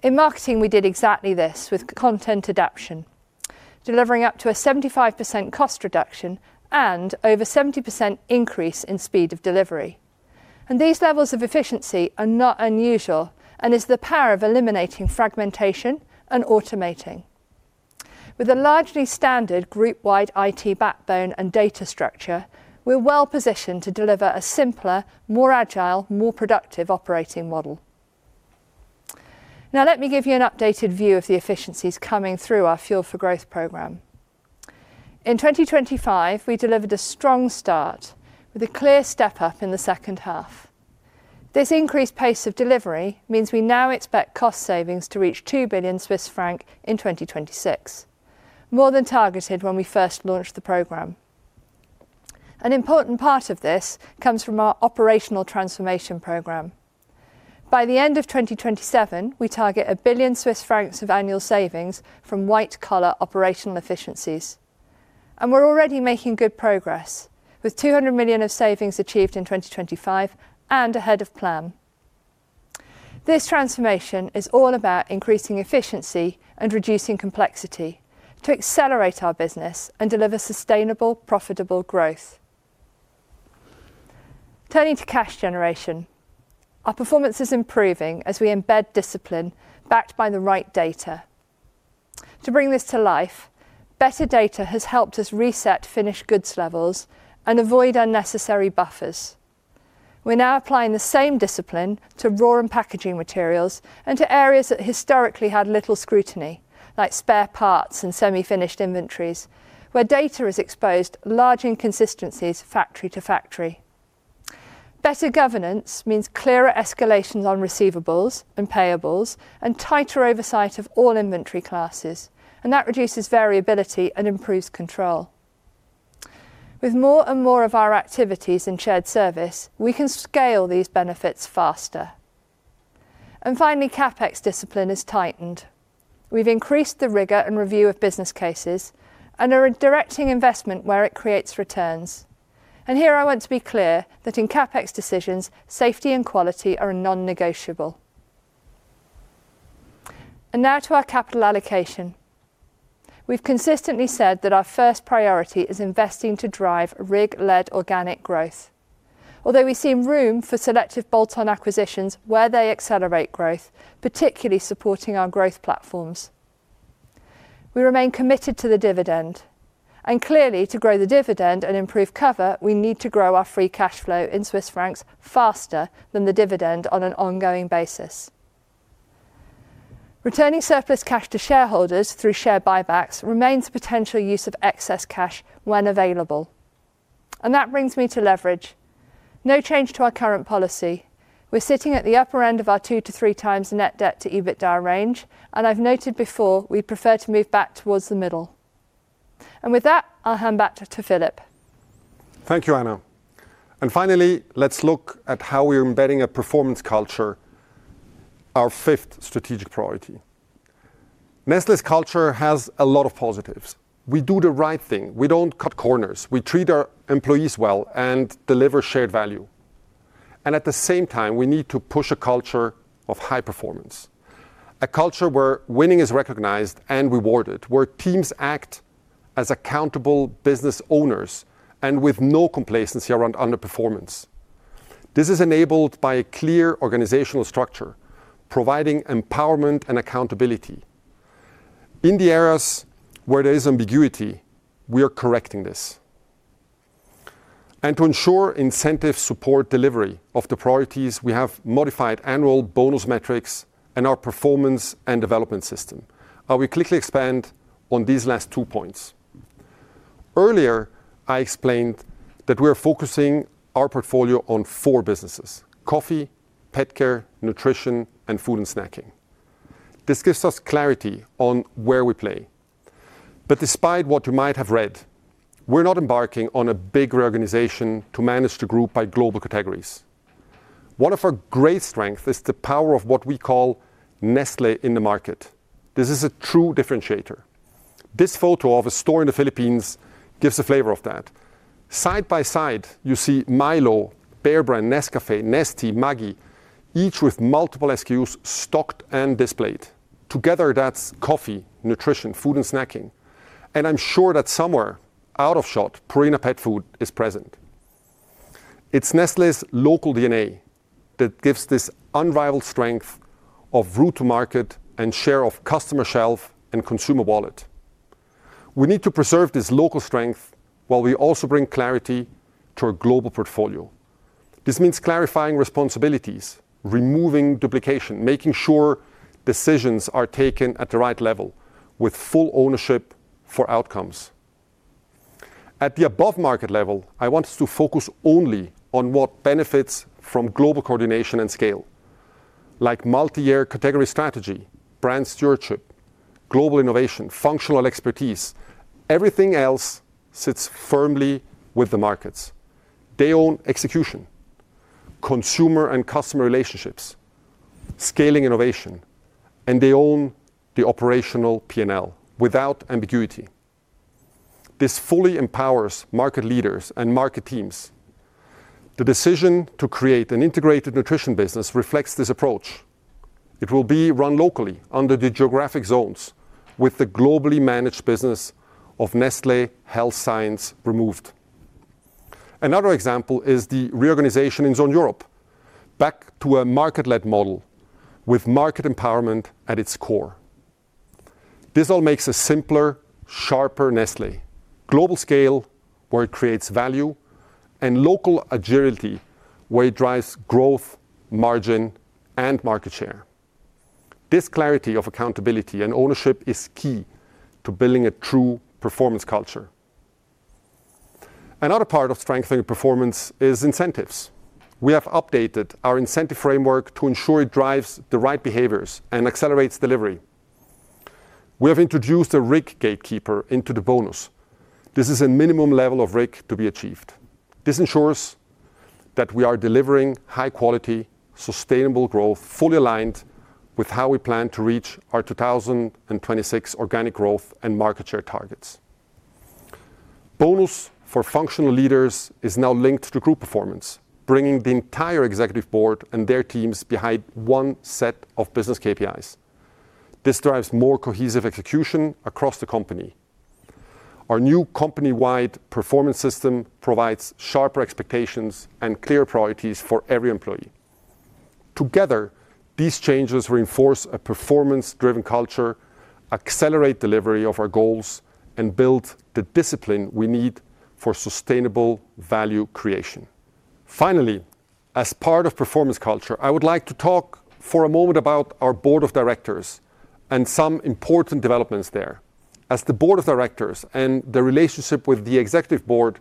In marketing, we did exactly this with content adaption, delivering up to a 75% cost reduction and over 70% increase in speed of delivery. These levels of efficiency are not unusual and is the power of eliminating fragmentation and automating. With a largely standard group-wide IT backbone and data structure, we're well-positioned to deliver a simpler, more agile, more productive operating model. Now, let me give you an updated view of the efficiencies coming through our Fuel for Growth program. In 2025, we delivered a strong start with a clear step-up in the second half. This increased pace of delivery means we now expect cost savings to reach 2 billion Swiss francs in 2026, more than targeted when we first launched the program. An important part of this comes from our operational transformation program. By the end of 2027, we target 1 billion Swiss francs of annual savings from white-collar operational efficiencies. And we're already making good progress, with 200 million of savings achieved in 2025 and ahead of plan. This transformation is all about increasing efficiency and reducing complexity to accelerate our business and deliver sustainable, profitable growth. Turning to cash generation, our performance is improving as we embed discipline backed by the right data. To bring this to life, better data has helped us reset finished goods levels and avoid unnecessary buffers. We're now applying the same discipline to raw and packaging materials and to areas that historically had little scrutiny, like spare parts and semi-finished inventories, where data has exposed large inconsistencies factory to factory. Better governance means clearer escalations on receivables and payables and tighter oversight of all inventory classes, and that reduces variability and improves control. With more and more of our activities in shared service, we can scale these benefits faster. And finally, CapEx discipline is tightened. We've increased the rigor and review of business cases and are directing investment where it creates returns. And here I want to be clear that in CapEx decisions, safety and quality are non-negotiable. And now to our capital allocation. We've consistently said that our first priority is investing to drive RIG-led organic growth. Although we see room for selective bolt-on acquisitions where they accelerate growth, particularly supporting our growth platforms, we remain committed to the dividend, and clearly, to grow the dividend and improve cover, we need to grow our free cash flow in Swiss francs faster than the dividend on an ongoing basis. Returning surplus cash to shareholders through share buybacks remains a potential use of excess cash when available. And that brings me to leverage. No change to our current policy. We're sitting at the upper end of our two to three times net debt to EBITDA range, and I've noted before, we prefer to move back towards the middle. And with that, I'll hand back to Philipp. Thank you, Anna. And finally, let's look at how we are embedding a performance culture, our fifth strategic priority. Nestlé's culture has a lot of positives. We do the right thing. We don't cut corners. We treat our employees well and deliver shared value. And at the same time, we need to push a culture of high performance, a culture where winning is recognized and rewarded, where teams act as accountable business owners and with no complacency around underperformance. This is enabled by a clear organizational structure, providing empowerment and accountability. In the areas where there is ambiguity, we are correcting this. And to ensure incentives support delivery of the priorities, we have modified annual bonus metrics and our performance and development system. I will quickly expand on these last two points. Earlier, I explained that we are focusing our portfolio on four businesses: coffee, pet care, nutrition, and food and snacking. This gives us clarity on where we play. But despite what you might have read, we're not embarking on a big reorganization to manage the group by global categories. One of our great strength is the power of what we call Nestlé in the market. This is a true differentiator. This photo of a store in the Philippines gives a flavor of that. Side by side, you see Milo, Bear Brand, Nescafé, Nestea, Maggi, each with multiple SKUs stocked and displayed. Together, that's coffee, nutrition, food, and snacking, and I'm sure that somewhere out of shot, Purina pet food is present. It's Nestlé's local DNA that gives this unrivaled strength of route to market and share of customer shelf and consumer wallet. We need to preserve this local strength while we also bring clarity to our global portfolio. This means clarifying responsibilities, removing duplication, making sure decisions are taken at the right level with full ownership for outcomes. At the above market level, I want us to focus only on what benefits from global coordination and scale, like multi-year category strategy, brand stewardship, global innovation, functional expertise. Everything else sits firmly with the markets. They own execution, consumer and customer relationships, scaling innovation, and they own the operational P&L without ambiguity. This fully empowers market leaders and market teams. The decision to create an integrated nutrition business reflects this approach. It will be run locally under the geographic zones with the globally managed business of Nestlé Health Science removed. Another example is the reorganization in Zone Europe. Back to a market-led model with market empowerment at its core. This all makes a simpler, sharper Nestlé. Global scale, where it creates value, and local agility, where it drives growth, margin, and market share. This clarity of accountability and ownership is key to building a true performance culture. Another part of strengthening performance is incentives. We have updated our incentive framework to ensure it drives the right behaviors and accelerates delivery. We have introduced a RIG gatekeeper into the bonus. This is a minimum level of RIG to be achieved. This ensures that we are delivering high quality, sustainable growth, fully aligned with how we plan to reach our 2026 organic growth and market share targets. Bonus for functional leaders is now linked to group performance, bringing the entire executive board and their teams behind one set of business KPIs. This drives more cohesive execution across the company. Our new company-wide performance system provides sharper expectations and clear priorities for every employee. Together, these changes reinforce a performance-driven culture, accelerate delivery of our goals, and build the discipline we need for sustainable value creation. Finally, as part of performance culture, I would like to talk for a moment about our board of directors and some important developments there, as the board of directors and the relationship with the executive board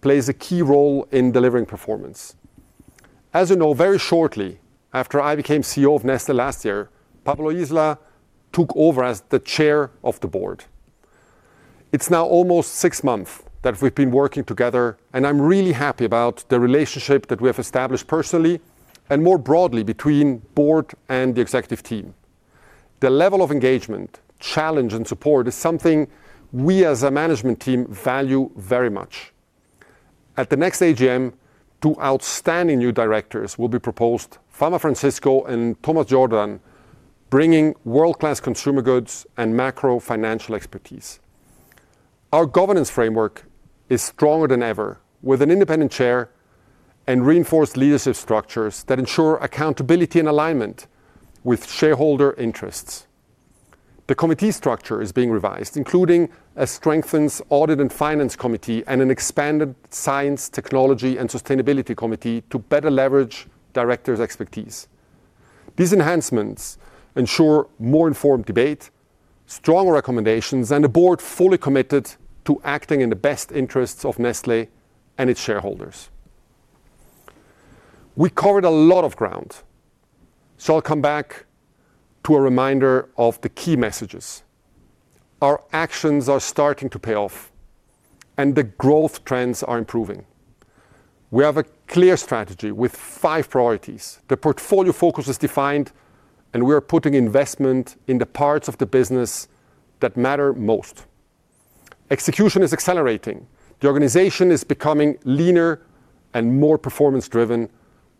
plays a key role in delivering performance. As you know, very shortly after I became CEO of Nestlé last year, Pablo Isla took over as the chair of the board. It's now almost six months that we've been working together, and I'm really happy about the relationship that we have established personally and more broadly between board and the executive team. The level of engagement, challenge, and support is something we, as a management team, value very much. At the next AGM, two outstanding new directors will be proposed, Fama Francisco and Thomas Jordan, bringing world-class consumer goods and macro financial expertise. Our governance framework is stronger than ever, with an independent chair and reinforced leadership structures that ensure accountability and alignment with shareholder interests. The committee structure is being revised, including a strengthened audit and finance committee and an expanded science, technology, and sustainability committee to better leverage directors' expertise. These enhancements ensure more informed debate, stronger recommendations, and a board fully committed to acting in the best interests of Nestlé and its shareholders. We covered a lot of ground, so I'll come back to a reminder of the key messages. Our actions are starting to pay off, and the growth trends are improving. We have a clear strategy with five priorities. The portfolio focus is defined, and we are putting investment in the parts of the business that matter most. Execution is accelerating. The organization is becoming leaner and more performance driven,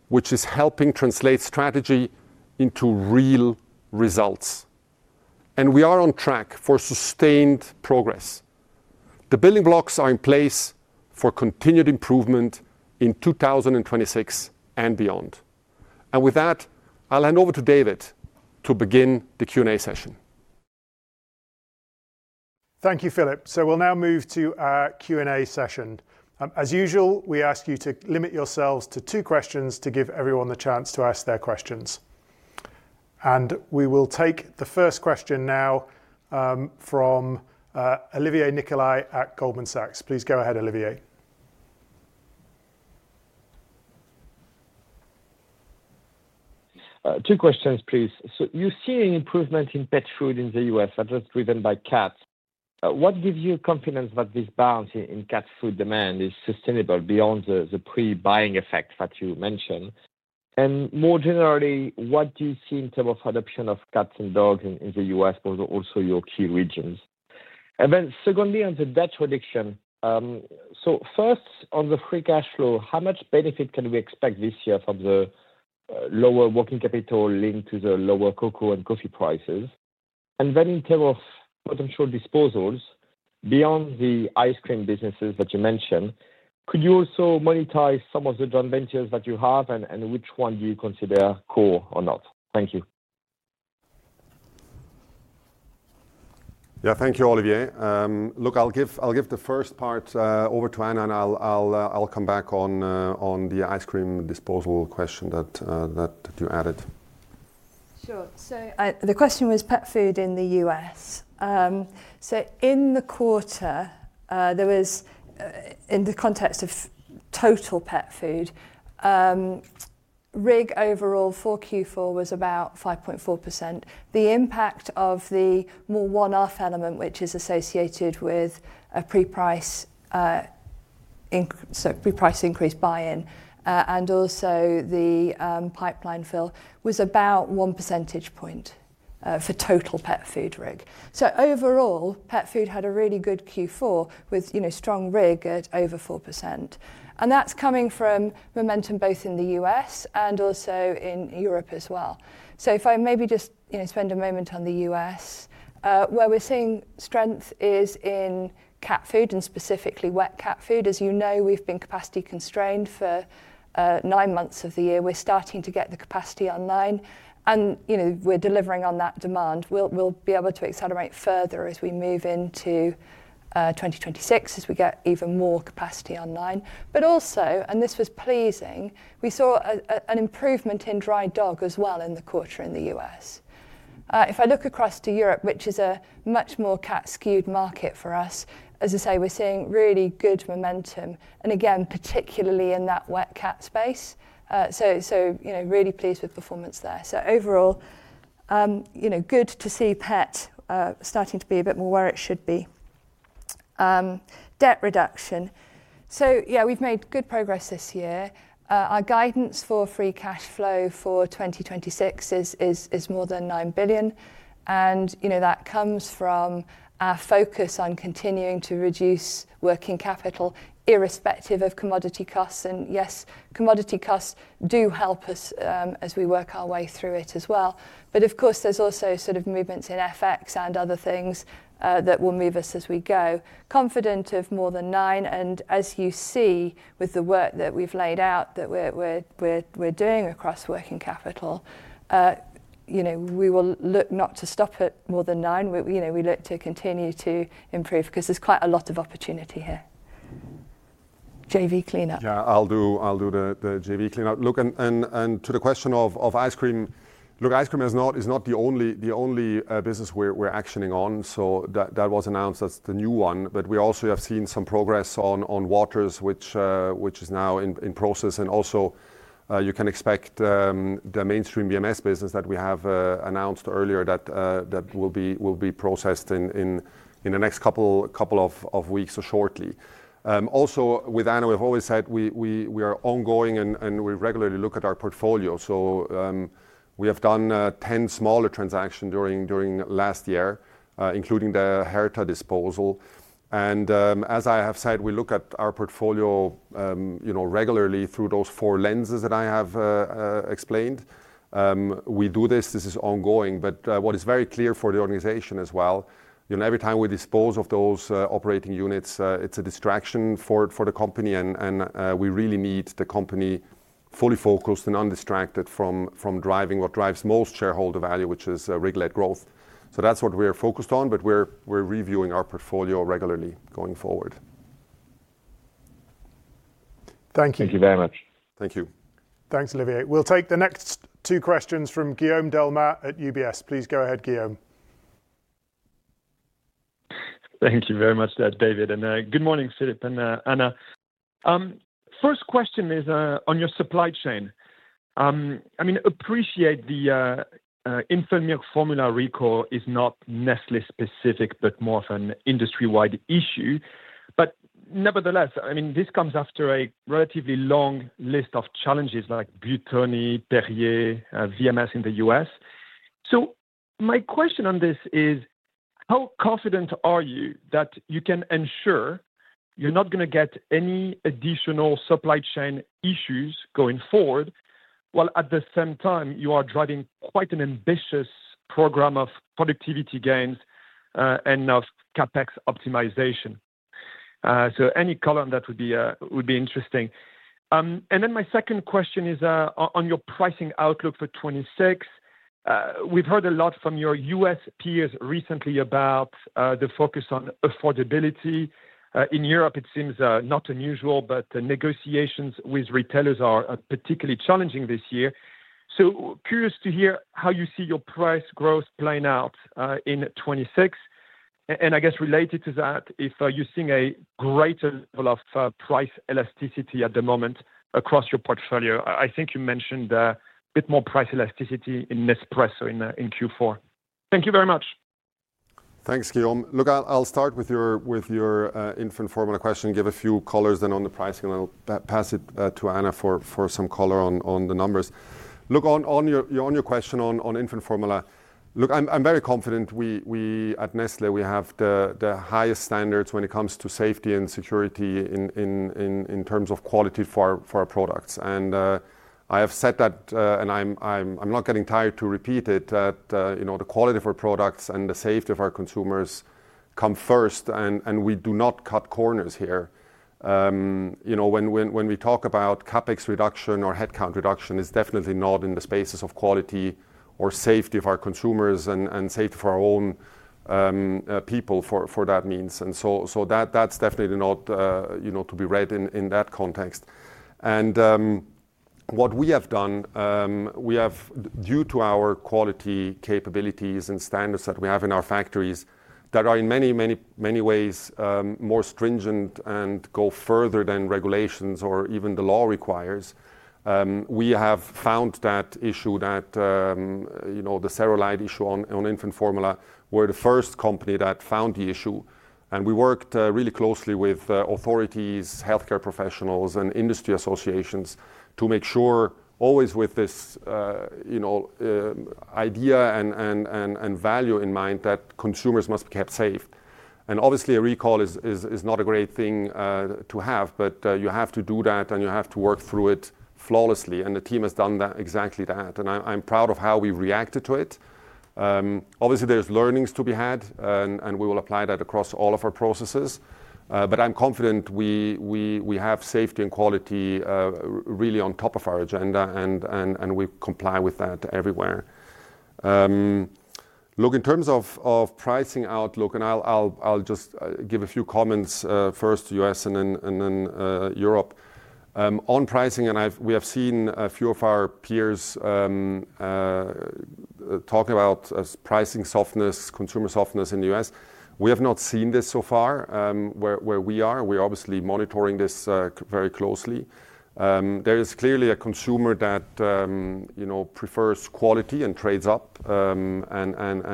which is helping translate strategy into real results, and we are on track for sustained progress. The building blocks are in place for continued improvement in 2026 and beyond. With that, I'll hand over to David to begin the Q&A session. Thank you, Philipp. So we'll now move to our Q&A session. As usual, we ask you to limit yourselves to two questions to give everyone the chance to ask their questions. We will take the first question now, from Olivier Nicolai at Goldman Sachs. Please go ahead, Olivier. Two questions, please. So you've seen an improvement in pet food in the U.S. that was driven by cats. What gives you confidence that this bounce in cat food demand is sustainable beyond the pre-buying effect that you mentioned? And more generally, what do you see in term of adoption of cats and dogs in the U.S., but also your key regions? And then secondly, on the debt reduction. So first, on the free cash flow, how much benefit can we expect this year from the lower working capital linked to the lower cocoa and coffee prices? And then in term of potential disposals, beyond the ice cream businesses that you mentioned, could you also monetize some of the joint ventures that you have, and which one do you consider core or not? Thank you. Yeah. Thank you, Olivier. Look, I'll give the first part over to Anna, and I'll come back on the ice cream disposal question that you added. Sure. So, the question was pet food in the US. So in the quarter, there was in the context of total pet food, RIG overall for Q4 was about 5.4%. The impact of the more one-off element, which is associated with a pre-price increase buy-in, and also the pipeline fill, was about one percentage point for total pet food RIG. So overall, pet food had a really good Q4 with, you know, strong RIG at over 4%, and that's coming from momentum both in the US and also in Europe as well. So if I maybe just, you know, spend a moment on the US, where we're seeing strength is in cat food, and specifically wet cat food. As you know, we've been capacity constrained for nine months of the year. We're starting to get the capacity online and, you know, we're delivering on that demand. We'll be able to accelerate further as we move into 2026 as we get even more capacity online. But also, and this was pleasing, we saw an improvement in dry dog as well in the quarter in the US. If I look across to Europe, which is a much more cat-skewed market for us, as I say, we're seeing really good momentum, and again, particularly in that wet cat space. So, you know, really pleased with performance there. So overall, you know, good to see pet starting to be a bit more where it should be. Debt reduction. So, yeah, we've made good progress this year. Our guidance for free cash flow for 2026 is more than 9 billion, and, you know, that comes from our focus on continuing to reduce working capital, irrespective of commodity costs. And yes, commodity costs do help us, as we work our way through it as well. But of course, there's also sort of movements in FX and other things, that will move us as we go. Confident of more than 9 billion, and as you see with the work that we've laid out, that we're doing across working capital, you know, we will look not to stop at more than 9 billion. We, you know, we look to continue to improve 'cause there's quite a lot of opportunity here. JV cleanup. Yeah, I'll do the JV cleanup. Look, to the question of ice cream, look, ice cream is not the only business we're actioning on. So that was announced as the new one. But we also have seen some progress on waters, which is now in process. And also, you can expect the mainstream VMS business that we have announced earlier that will be processed in the next couple of weeks or shortly. Also, with Anna, we've always said we are ongoing and we regularly look at our portfolio. So, we have done 10 smaller transaction during last year, including the Herta disposal. As I have said, we look at our portfolio, you know, regularly through those four lenses that I have explained. We do this. This is ongoing, but what is very clear for the organization as well, you know, every time we dispose of those operating units, it's a distraction for the company, and we really need the company fully focused and undistracted from driving what drives most shareholder value, which is regulated growth. So that's what we are focused on, but we're reviewing our portfolio regularly going forward. Thank you. Thank you very much. Thank you. Thanks, Olivier. We'll take the next two questions from Guillaume Delmas at UBS. Please go ahead, Guillaume. Thank you very much there, David, and good morning, Philipp and Anna. First question is on your supply chain. I mean, appreciate the infant milk formula recall is not Nestlé specific, but more of an industry-wide issue. But nevertheless, I mean, this comes after a relatively long list of challenges like Buitoni, Perrier, VMS in the US. So my question on this is, how confident are you that you can ensure you're not gonna get any additional supply chain issues going forward, while at the same time you are driving quite an ambitious program of productivity gains, and of CapEx optimization? So any color on that would be, would be interesting. And then my second question is on your pricing outlook for 2026. We've heard a lot from your US peers recently about the focus on affordability. In Europe, it seems not unusual, but the negotiations with retailers are particularly challenging this year. So curious to hear how you see your price growth playing out in 2026. And I guess related to that, if you're seeing a greater level of price elasticity at the moment across your portfolio. I think you mentioned a bit more price elasticity in Nespresso in Q4. Thank you very much. Thanks, Guillaume. Look, I'll start with your infant formula question, give a few colors, then on the pricing, and I'll pass it to Anna for some color on the numbers. Look, on your question on infant formula. Look, I'm very confident we at Nestlé have the highest standards when it comes to safety and security in terms of quality for our products. And I have said that, and I'm not getting tired to repeat it, that you know, the quality of our products and the safety of our consumers come first, and we do not cut corners here. You know, when we talk about CapEx reduction or headcount reduction, it's definitely not in the spaces of quality or safety of our consumers and safety of our own people for that matter. So that, that's definitely not, you know, to be read in that context. What we have done, we have due to our quality, capabilities, and standards that we have in our factories, that are in many ways more stringent and go further than regulations or even the law requires, we have found that issue that, you know, the cereulide issue on infant formula. We're the first company that found the issue, and we worked really closely with authorities, healthcare professionals, and industry associations to make sure always with this, you know, idea and value in mind, that consumers must be kept safe. And obviously, a recall is not a great thing to have, but you have to do that, and you have to work through it flawlessly, and the team has done that, exactly that. And I'm proud of how we've reacted to it. Obviously, there's learnings to be had, and we will apply that across all of our processes. But I'm confident we have safety and quality really on top of our agenda, and we comply with that everywhere. Look, in terms of pricing outlook, and I'll just give a few comments, first U.S. and then Europe. On pricing, and we've seen a few of our peers talk about pricing softness, consumer softness in the U.S. We have not seen this so far, where we are. We're obviously monitoring this very closely. There is clearly a consumer that, you know, prefers quality and trades up, and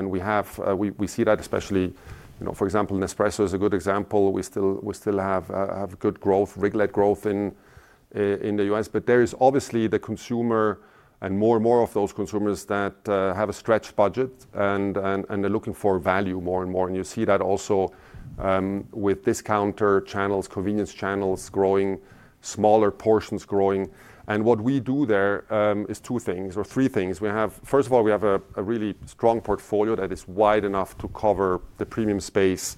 we see that especially, you know, for example, Nespresso is a good example. We still have good growth, RIG-led growth in the U.S. But there is obviously the consumer and more and more of those consumers that have a stretched budget and they're looking for value more and more. And you see that also with discounter channels, convenience channels growing, smaller portions growing. And what we do there is two things or three things. We have—First of all, we have a really strong portfolio that is wide enough to cover the premium space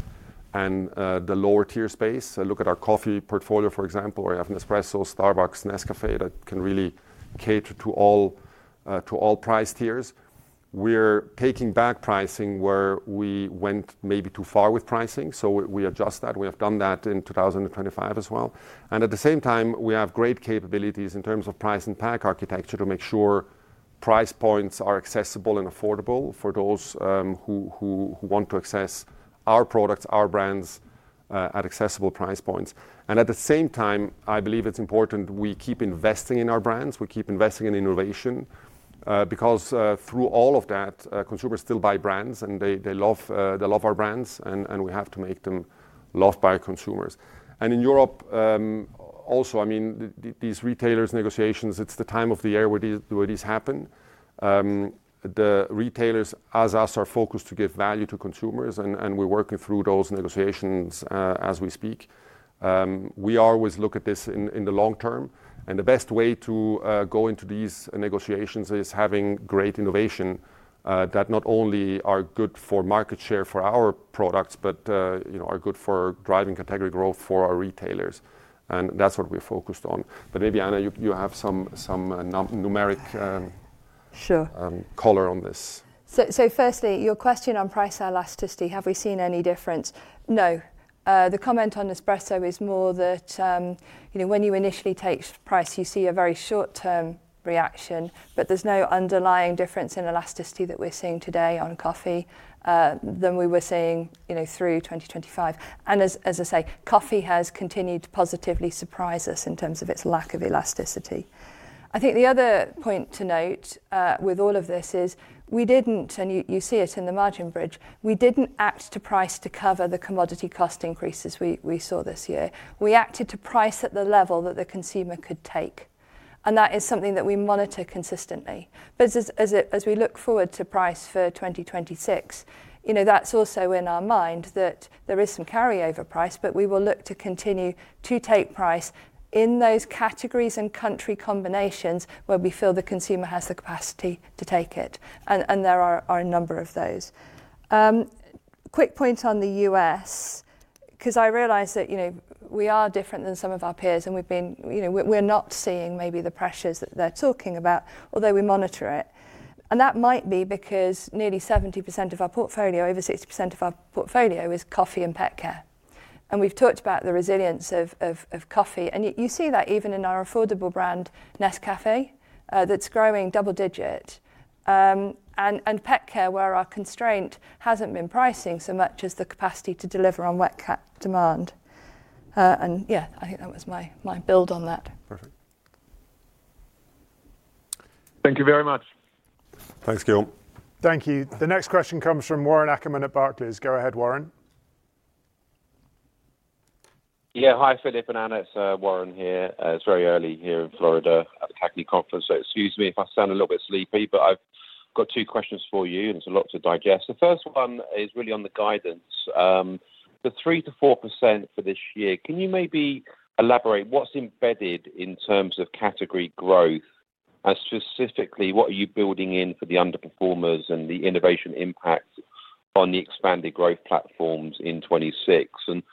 and the lower tier space. Look at our coffee portfolio, for example, where we have Nespresso, Starbucks, Nescafé, that can really cater to all to all price tiers. We're taking back pricing where we went maybe too far with pricing, so we adjust that. We have done that in 2025 as well, and at the same time, we have great capabilities in terms of price and pack architecture to make sure price points are accessible and affordable for those who want to access our products, our brands at accessible price points. And at the same time, I believe it's important we keep investing in our brands, we keep investing in innovation because through all of that consumers still buy brands, and they love our brands, and we have to make them loved by consumers. And in Europe, the these retailers negotiations, it's the time of the year where these happen. The retailers, as us, are focused to give value to consumers, and we're working through those negotiations as we speak. We always look at this in the long term, and the best way to go into these negotiations is having great innovation that not only are good for market share for our products, but you know, are good for driving category growth for our retailers, and that's what we're focused on. But maybe, Anna, you have some numeric Sure Color on this. So, firstly, your question on price elasticity, have we seen any difference? No. The comment on Nespresso is more that, you know, when you initially take price, you see a very short-term reaction, but there's no underlying difference in elasticity that we're seeing today on coffee, than we were seeing, you know, through 2025. And as I say, coffee has continued to positively surprise us in terms of its lack of elasticity. I think the other point to note, with all of this is we didn't and you see it in the margin bridge, we didn't act to price to cover the commodity cost increases we saw this year. We acted to price at the level that the consumer could take, and that is something that we monitor consistently. But as we look forward to price for 2026, you know, that's also in our mind that there is some carryover price, but we will look to continue to take price in those categories and country combinations where we feel the consumer has the capacity to take it, and there are a number of those. Quick point on the U.S., 'cause I realize that, you know, we are different than some of our peers, and we've been you know, we're not seeing maybe the pressures that they're talking about, although we monitor it. And that might be because nearly 70% of our portfolio, over 60% of our portfolio is coffee and pet care, and we've talked about the resilience of coffee. And you see that even in our affordable brand, Nescafé, that's growing double-digit, and pet care, where our constraint hasn't been pricing so much as the capacity to deliver on wet cat demand. And yeah, I think that was my build on that. Perfect. Thank you very much. Thanks, Gil. Thank you. The next question comes from Warren Ackerman at Barclays. Go ahead, Warren. Yeah. Hi, Philipp and Anna. It's Warren here. It's very early here in Florida at the CAGNY Conference, so excuse me if I sound a little bit sleepy, but I've got two questions for you, and there's a lot to digest. The first one is really on the guidance. The 3%-4% for this year, can you maybe elaborate what's embedded in terms of category growth, and specifically, what are you building in for the underperformers and the innovation impact on the expanded growth platforms in 2026? And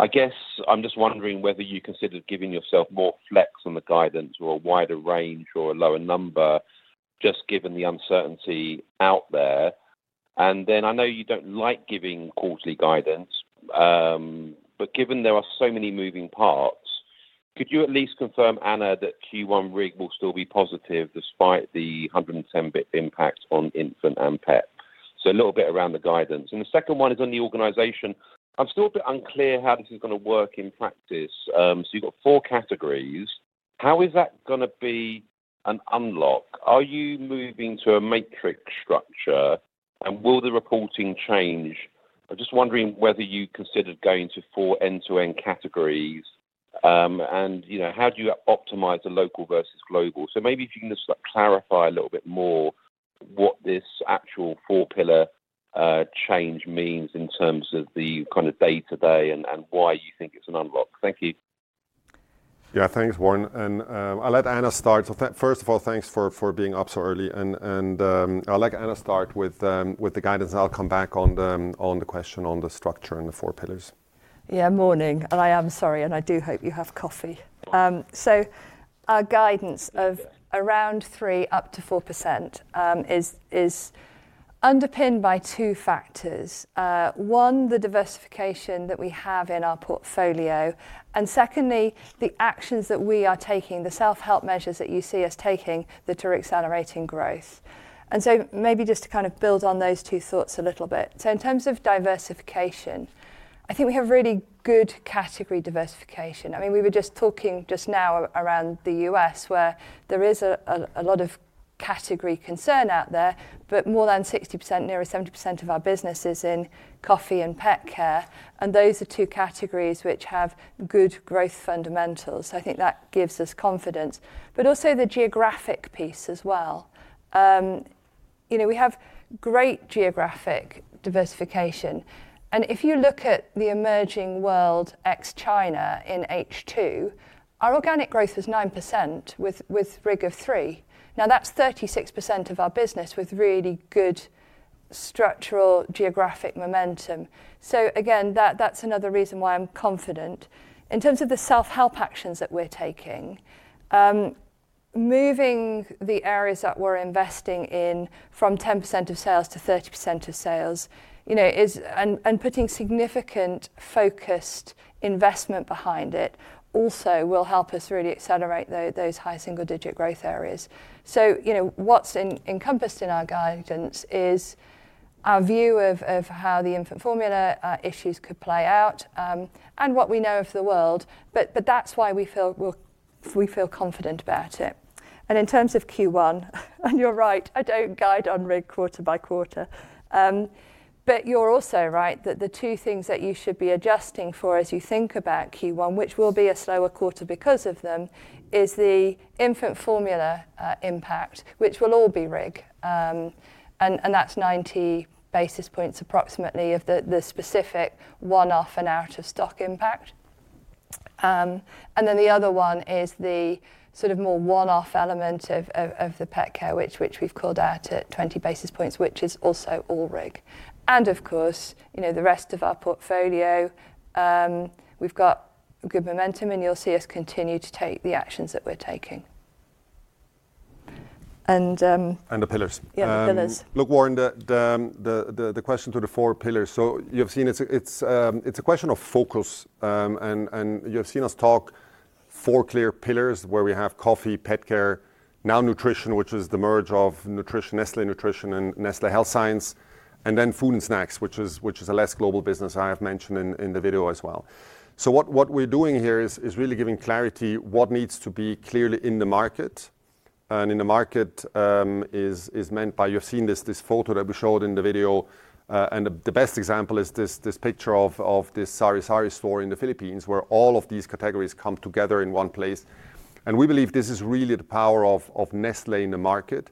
I guess I'm just wondering whether you considered giving yourself more flex on the guidance or a wider range or a lower number, just given the uncertainty out there. And then, I know you don't like giving quarterly guidance, but given there are so many moving parts, could you at least confirm, Anna, that Q1 RIG will still be positive despite the 110 basis points impact on infant and pet? So a little bit around the guidance. And the second one is on the organization. I'm still a bit unclear how this is gonna work in practice. So you've got four categories. How is that gonna be an unlock? Are you moving to a matrix structure, and will the reporting change? I'm just wondering whether you considered going to four end-to-end categories, and, you know, how do you optimize the local versus global? So maybe if you can just, like, clarify a little bit more what this actual four-pillar change means in terms of the kind of day-to-day and, and why you think it's an unlock? Thank you. Yeah, thanks, Warren, and I'll let Anna start. So first of all, thanks for being up so early, and I'll let Anna start with the guidance, and I'll come back on the question on the structure and the four pillars. Yeah, morning, and I am sorry, and I do hope you have coffee. So our guidance of around 3%-4% is underpinned by two factors. One, the diversification that we have in our portfolio, and secondly, the actions that we are taking, the self-help measures that you see us taking that are accelerating growth. And so maybe just to kind of build on those two thoughts a little bit. So in terms of diversification, I think we have really good category diversification. I mean, we were just talking just now around the U.S., where there is a lot of category concern out there, but more than 60%, nearly 70% of our business is in coffee and pet care, and those are two categories which have good growth fundamentals. So I think that gives us confidence. But also the geographic piece as well. You know, we have great geographic diversification, and if you look at the emerging world, ex-China, in H2, our organic growth is 9% with RIG of three. Now, that's 36% of our business with really good structural geographic momentum. So again, that, that's another reason why I'm confident. In terms of the self-help actions that we're taking, moving the areas that we're investing in from 10% of sales to 30% of sales, you know, is and putting significant focused investment behind it, also will help us really accelerate those high single-digit growth areas. So, you know, what's encompassed in our guidance is our view of how the infant formula issues could play out, and what we know of the world. But that's why we feel confident about it. And in terms of Q1, you're right, I don't guide on RIG quarter by quarter. But you're also right that the two things that you should be adjusting for as you think about Q1, which will be a slower quarter because of them, is the infant formula impact, which will all be RIG. And that's 90 basis points, approximately, of the specific one-off and out-of-stock impact. And then the other one is the sort of more one-off element of the pet care, which we've called out at 20 basis points, which is also all RIG. And of course, you know, the rest of our portfolio, we've got good momentum, and you'll see us continue to take the actions that we're taking. And The pillars. Yeah, the pillars. Look, Warren, the question to the four pillars. So you've seen it's a question of focus. And you've seen us talk four clear pillars, where we have coffee, pet care, now nutrition, which is the merge of nutrition—Nestlé Nutrition and Nestlé Health Science, and then food and snacks, which is a less global business I have mentioned in the video as well. So what we're doing here is really giving clarity what needs to be clearly in the market, and in the market is meant by you've seen this photo that we showed in the video. And the best example is this picture of this Sari Sari store in the Philippines, where all of these categories come together in one place. We believe this is really the power of Nestlé in the market.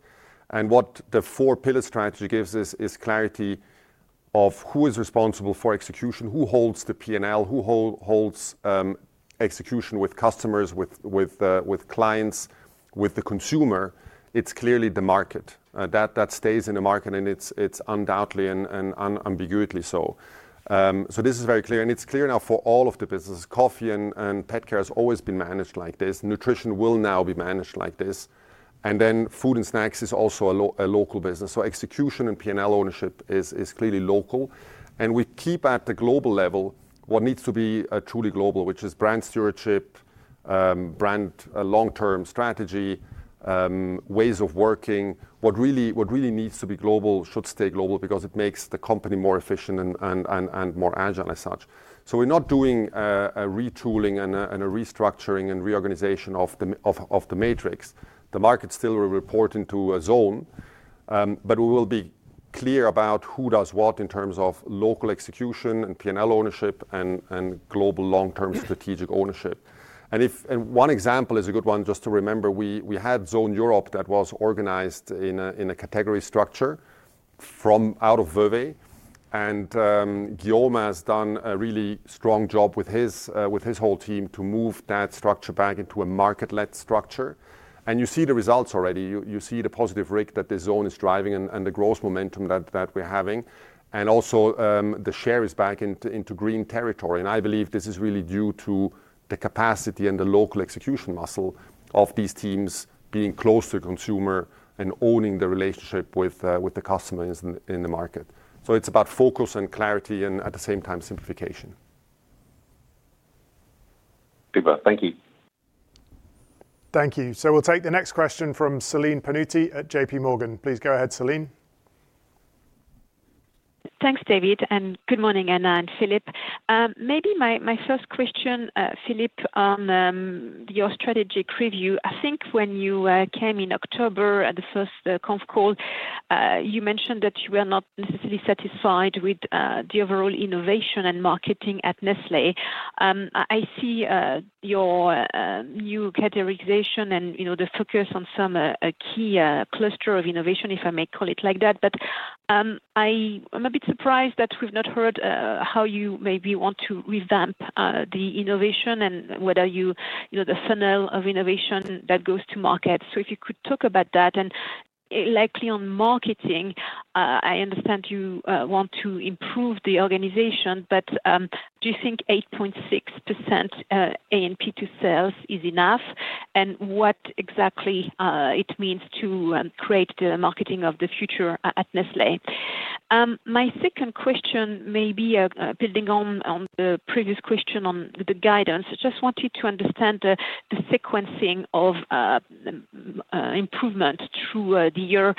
What the four pillar strategy gives us is clarity of who is responsible for execution, who holds the P&L, who holds execution with customers, with clients, with the consumer. It's clearly the market. That stays in the market, and it's undoubtedly and unambiguously so. So this is very clear, and it's clear now for all of the businesses. Coffee and pet care has always been managed like this. Nutrition will now be managed like this. And then food and snacks is also a local business, so execution and P&L ownership is clearly local. And we keep at the global level what needs to be truly global, which is brand stewardship, long-term strategy, ways of working. What really, what really needs to be global should stay global because it makes the company more efficient and more agile as such. So we're not doing a retooling and a restructuring and reorganization of the matrix. The market still will report into a zone, but we will be clear about who does what in terms of local execution and P&L ownership and global long-term strategic ownership. And one example is a good one, just to remember, we had Zone Europe that was organized in a category structure from out of Vevey, and Guillaume has done a really strong job with his whole team to move that structure back into a market-led structure. And you see the results already. You see the positive RIG that the zone is driving and the growth momentum that we're having, and also the share is back into green territory. And I believe this is really due to the capacity and the local execution muscle of these teams being close to the consumer and owning the relationship with the customers in the market. So it's about focus and clarity and, at the same time, simplification. Super. Thank you. Thank you. So we'll take the next question from Celine Pannuti at JPMorgan. Please go ahead, Celine. Thanks, David, and good morning, Anna and Philipp. Maybe my first question, Philipp, on your strategic review. I think when you came in October at the first conf call, you mentioned that you were not necessarily satisfied with the overall innovation and marketing at Nestlé. I see your new categorization and, you know, the focus on some a key cluster of innovation, if I may call it like that. But I'm a bit surprised that we've not heard how you maybe want to revamp the innovation and whether you know the funnel of innovation that goes to market. So if you could talk about that, and likely on marketing, I understand you want to improve the organization, but do you think 8.6% A&P to sales is enough? And what exactly it means to create the marketing of the future at Nestlé? My second question may be building on the previous question on the guidance. I just wanted to understand the sequencing of improvement through the year.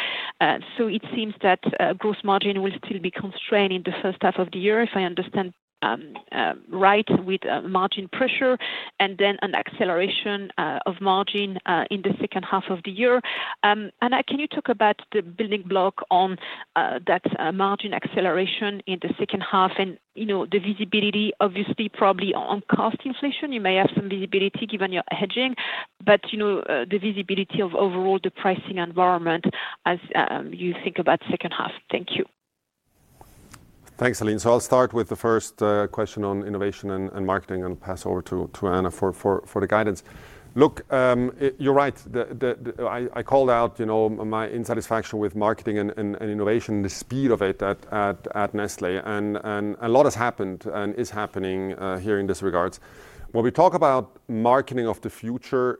So it seems that gross margin will still be constrained in the first half of the year, if I understand right, with margin pressure, and then an acceleration of margin in the second half of the year. Can you talk about the building block on that margin acceleration in the second half? And, you know, the visibility, obviously, probably on cost inflation, you may have some visibility given your hedging, but, you know, the visibility of overall the pricing environment as you think about second half. Thank you. Thanks, Celine. So I'll start with the first question on innovation and marketing, and pass over to Anna for the guidance. Look, you're right. I called out, you know, my dissatisfaction with marketing and innovation, the speed of it at Nestlé, and a lot has happened and is happening here in this regard. When we talk about marketing of the future,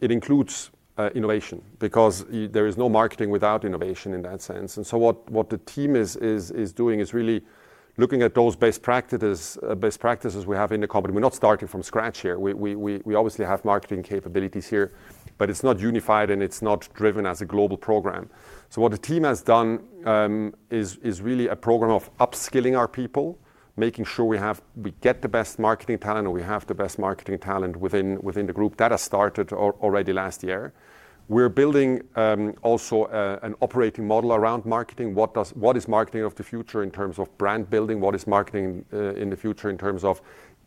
it includes innovation, because there is no marketing without innovation in that sense. And so what the team is doing is really looking at those best practices we have in the company. We're not starting from scratch here. We obviously have marketing capabilities here, but it's not unified and it's not driven as a global program. So what the team has done is really a program of upskilling our people, making sure we have we get the best marketing talent, or we have the best marketing talent within the group. That has started already last year. We're building also an operating model around marketing. What is marketing of the future in terms of brand building? What is marketing in the future in terms of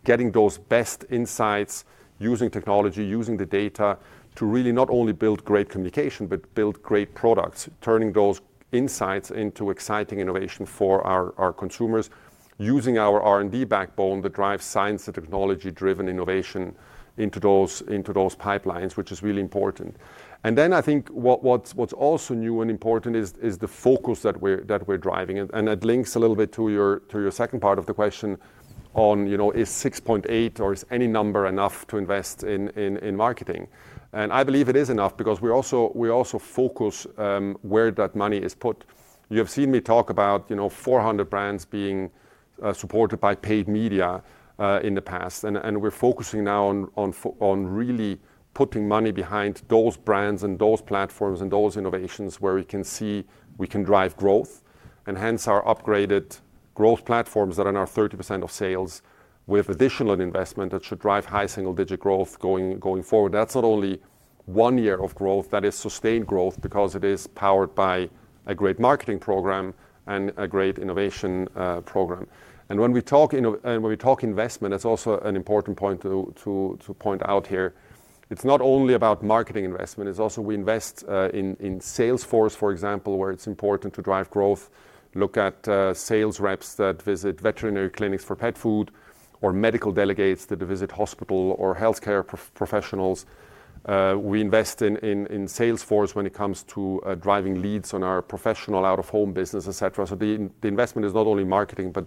getting those best insights, using technology, using the data, to really not only build great communication, but build great products, turning those insights into exciting innovation for our consumers, using our R&D backbone that drives science and technology-driven innovation into those pipelines, which is really important. And then, I think what's also new and important is the focus that we're driving, and that links a little bit to your second part of the question on, you know, is 6.8 or is any number enough to invest in marketing? I believe it is enough because we also focus where that money is put. You have seen me talk about, you know, 400 brands being supported by paid media in the past, and we're focusing now on really putting money behind those brands and those platforms and those innovations where we can see we can drive growth, and hence our upgraded growth platforms that are now 30% of sales, with additional investment that should drive high single-digit growth going forward. That's not only one year of growth, that is sustained growth because it is powered by a great marketing program and a great innovation program. And when we talk investment, that's also an important point to point out here. It's not only about marketing investment, it's also we invest in sales force, for example, where it's important to drive growth. Look at sales reps that visit veterinary clinics for pet food, or medical delegates that visit hospital or healthcare professionals. We invest in sales force when it comes to driving leads on our professional out-of-home business, et cetera. So the investment is not only marketing, but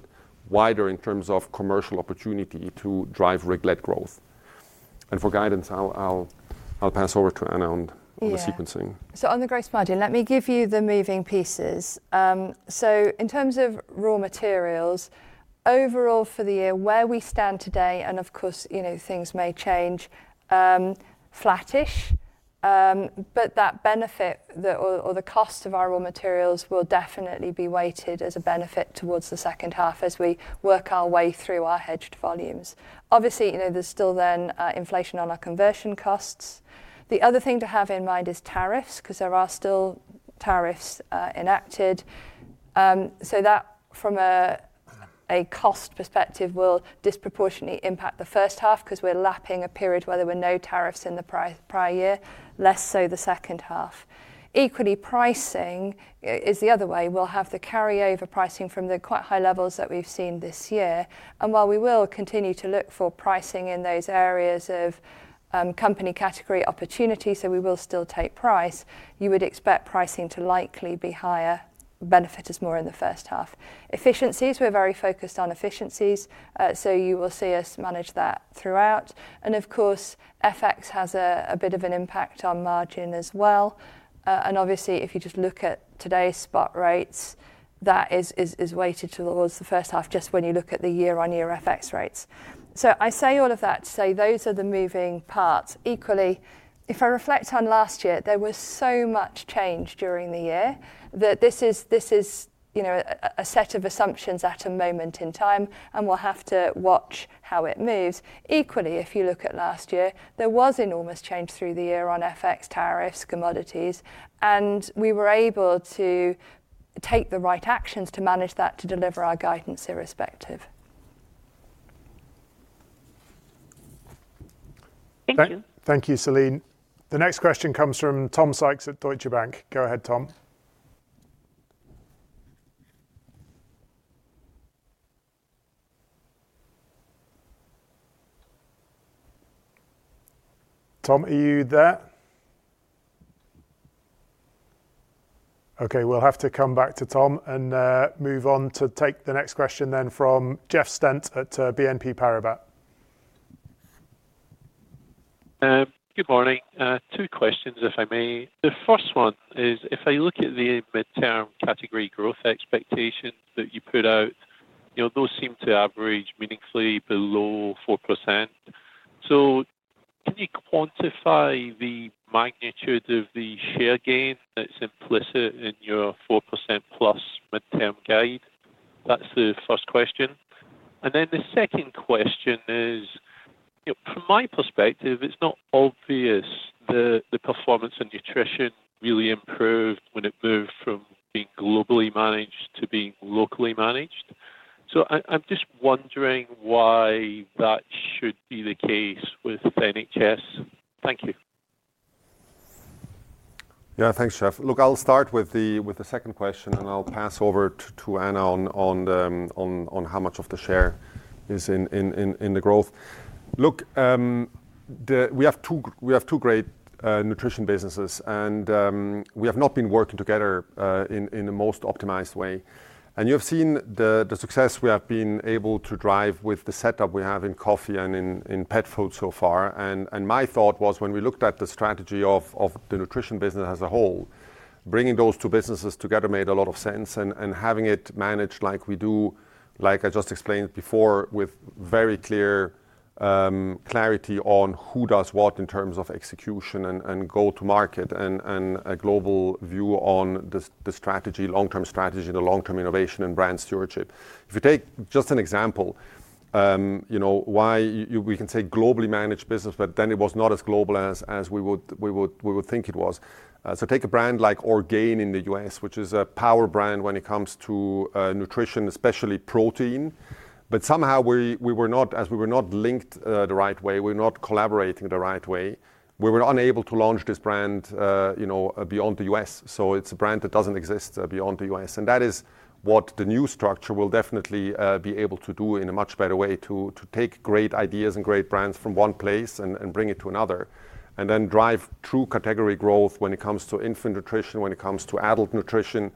wider in terms of commercial opportunity to drive RIG growth. And for guidance, I'll pass over to Anna on- Yeah On the sequencing. So on the Gross margin, let me give you the moving pieces. So in terms of raw materials, overall for the year, where we stand today, and of course, you know, things may change, flattish. But that benefit, the cost of our raw materials will definitely be weighted as a benefit towards the second half as we work our way through our hedged volumes. Obviously, you know, there's still inflation on our conversion costs. The other thing to have in mind is tariffs, 'cause there are still tariffs enacted. So that, from a cost perspective, will disproportionately impact the first half, 'cause we're lapping a period where there were no tariffs in the prior year, less so the second half. Equally, pricing is the other way. We'll have the carryover pricing from the quite high levels that we've seen this year, and while we will continue to look for pricing in those areas of company category opportunities, so we will still take price. You would expect pricing to likely be higher, benefit us more in the first half. Efficiencies, we're very focused on efficiencies, so you will see us manage that throughout. And of course, FX has a bit of an impact on margin as well. And obviously, if you just look at today's spot rates, that is weighted towards the first half, just when you look at the year-on-year FX rates. So I say all of that to say those are the moving parts. Equally, if I reflect on last year, there was so much change during the year that this is, you know, a set of assumptions at a moment in time, and we'll have to watch how it moves. Equally, if you look at last year, there was enormous change through the year on FX, tariffs, commodities, and we were able to take the right actions to manage that to deliver our guidance irrespective. Thank you. Thank you, Celine. The next question comes from Tom Sykes at Deutsche Bank. Go ahead, Tom. Tom, are you there? Okay, we'll have to come back to Tom and move on to take the next question then from Jeff Stent at BNP Paribas. Good morning. Two questions, if I may. The first one is, if I look at the midterm category growth expectations that you put out, you know, those seem to average meaningfully below 4%. So can you quantify the magnitude of the share gain that's implicit in your 4%+ midterm guide? That's the first question. And then the second question is, you know, from my perspective, it's not obvious the, the performance in nutrition really improved when it moved from being globally managed to being locally managed. So I, I'm just wondering why that should be the case with NHS. Thank you. Yeah, thanks, Jeff. Look, I'll start with the second question, and I'll pass over to Anna on how much of the share is in the growth. Look, we have two great nutrition businesses, and we have not been working together in the most optimized way. And you have seen the success we have been able to drive with the setup we have in coffee and in pet food so far. And my thought was when we looked at the strategy of the nutrition business as a whole, bringing those two businesses together made a lot of sense, and having it managed like we do, like I just explained before, with very clear clarity on who does what in terms of execution and go to market, and a global view on the strategy, long-term strategy, the long-term innovation and brand stewardship. If you take just an example, you know, why we can say globally managed business, but then it was not as global as we would think it was. So take a brand like Orgain in the U.S., which is a power brand when it comes to nutrition, especially protein. But somehow, we, we were not, as we were not linked, the right way, we were not collaborating the right way. We were unable to launch this brand, you know, beyond the U.S., so it's a brand that doesn't exist, beyond the U.S. And that is what the new structure will definitely, be able to do in a much better way to, to take great ideas and great brands from one place and, and bring it to another, and then drive true category growth when it comes to infant nutrition, when it comes to adult nutrition.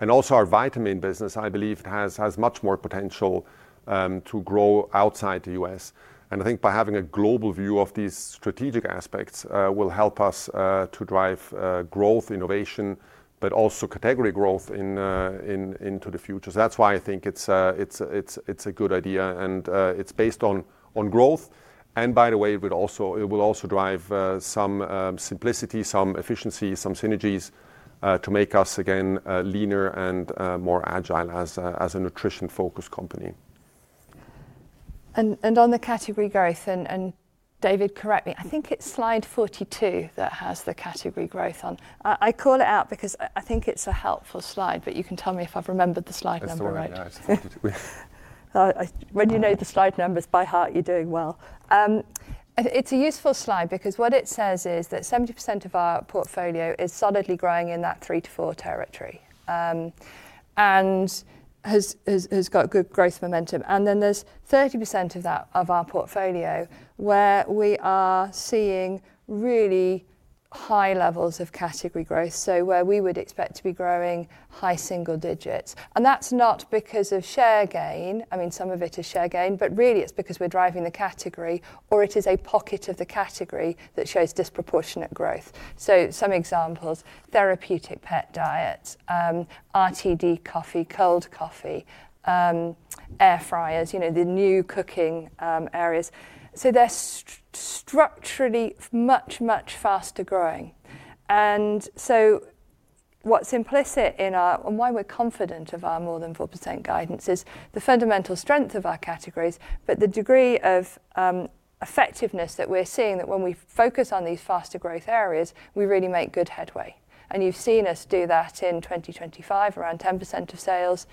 And also our vitamin business, I believe, has, has much more potential, to grow outside the U.S. And I think by having a global view of these strategic aspects, will help us, to drive, growth, innovation, but also category growth in, in, into the future. So that's why I think it's a good idea, and it's based on growth. And by the way, it would also, it will also drive some simplicity, some efficiency, some synergies, to make us again leaner and more agile as a nutrition-focused company. On the category growth, David, correct me. I think it's slide 42 that has the category growth on. I call it out because I think it's a helpful slide, but you can tell me if I've remembered the slide number right. That's the one, yeah, it's When you know the slide numbers by heart, you're doing well. It's a useful slide because what it says is that 70% of our portfolio is solidly growing in that 3-4 territory, and has got good growth momentum. And then there's 30% of that, of our portfolio, where we are seeing really high levels of category growth, so where we would expect to be growing high single digits. And that's not because of share gain. I mean, some of it is share gain, but really it's because we're driving the category, or it is a pocket of the category that shows disproportionate growth. So some examples: therapeutic pet diets, RTD coffee, cold coffee, air fryers, you know, the new cooking areas. So they're structurally much, much faster growing. And so what's implicit in our and why we're confident of our more than 4% guidance is the fundamental strength of our categories, but the degree of effectiveness that we're seeing, that when we focus on these faster growth areas, we really make good headway. And you've seen us do that in 2025, around 10% of sales.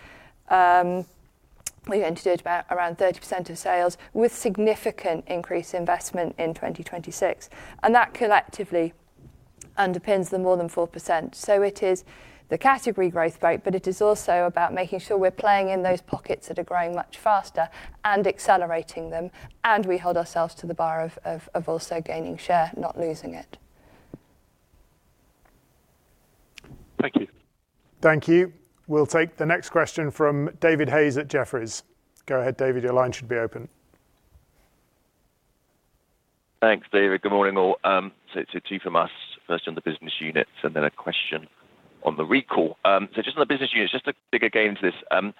We're going to do it about around 30% of sales, with significant increased investment in 2026, and that collectively underpins the more than 4%. So it is the category growth rate, but it is also about making sure we're playing in those pockets that are growing much faster and accelerating them, and we hold ourselves to the bar of also gaining share, not losing it. Thank you. Thank you. We'll take the next question from David Hayes at Jefferies. Go ahead, David, your line should be open. Thanks, David. Good morning, all. So two from us, first on the business units, and then a question on the recall. So just on the business units, just to dig again into this,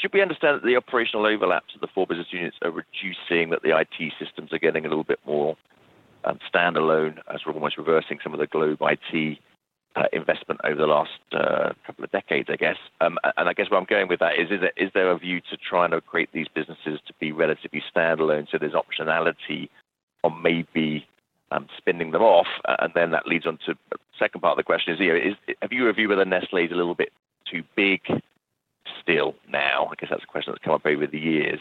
should we understand that the operational overlaps of the four business units are reducing, that the IT systems are getting a little bit more standalone, as we're almost reversing some of the global IT investment over the last couple of decades, I guess? And I guess where I'm going with that is, is there a view to try and create these businesses to be relatively standalone, so there's optionality or maybe spinning them off? And then that leads on to second part of the question is, you know, is, have you a view whether Nestlé is a little bit too big still now? I guess that's a question that's come up over the years.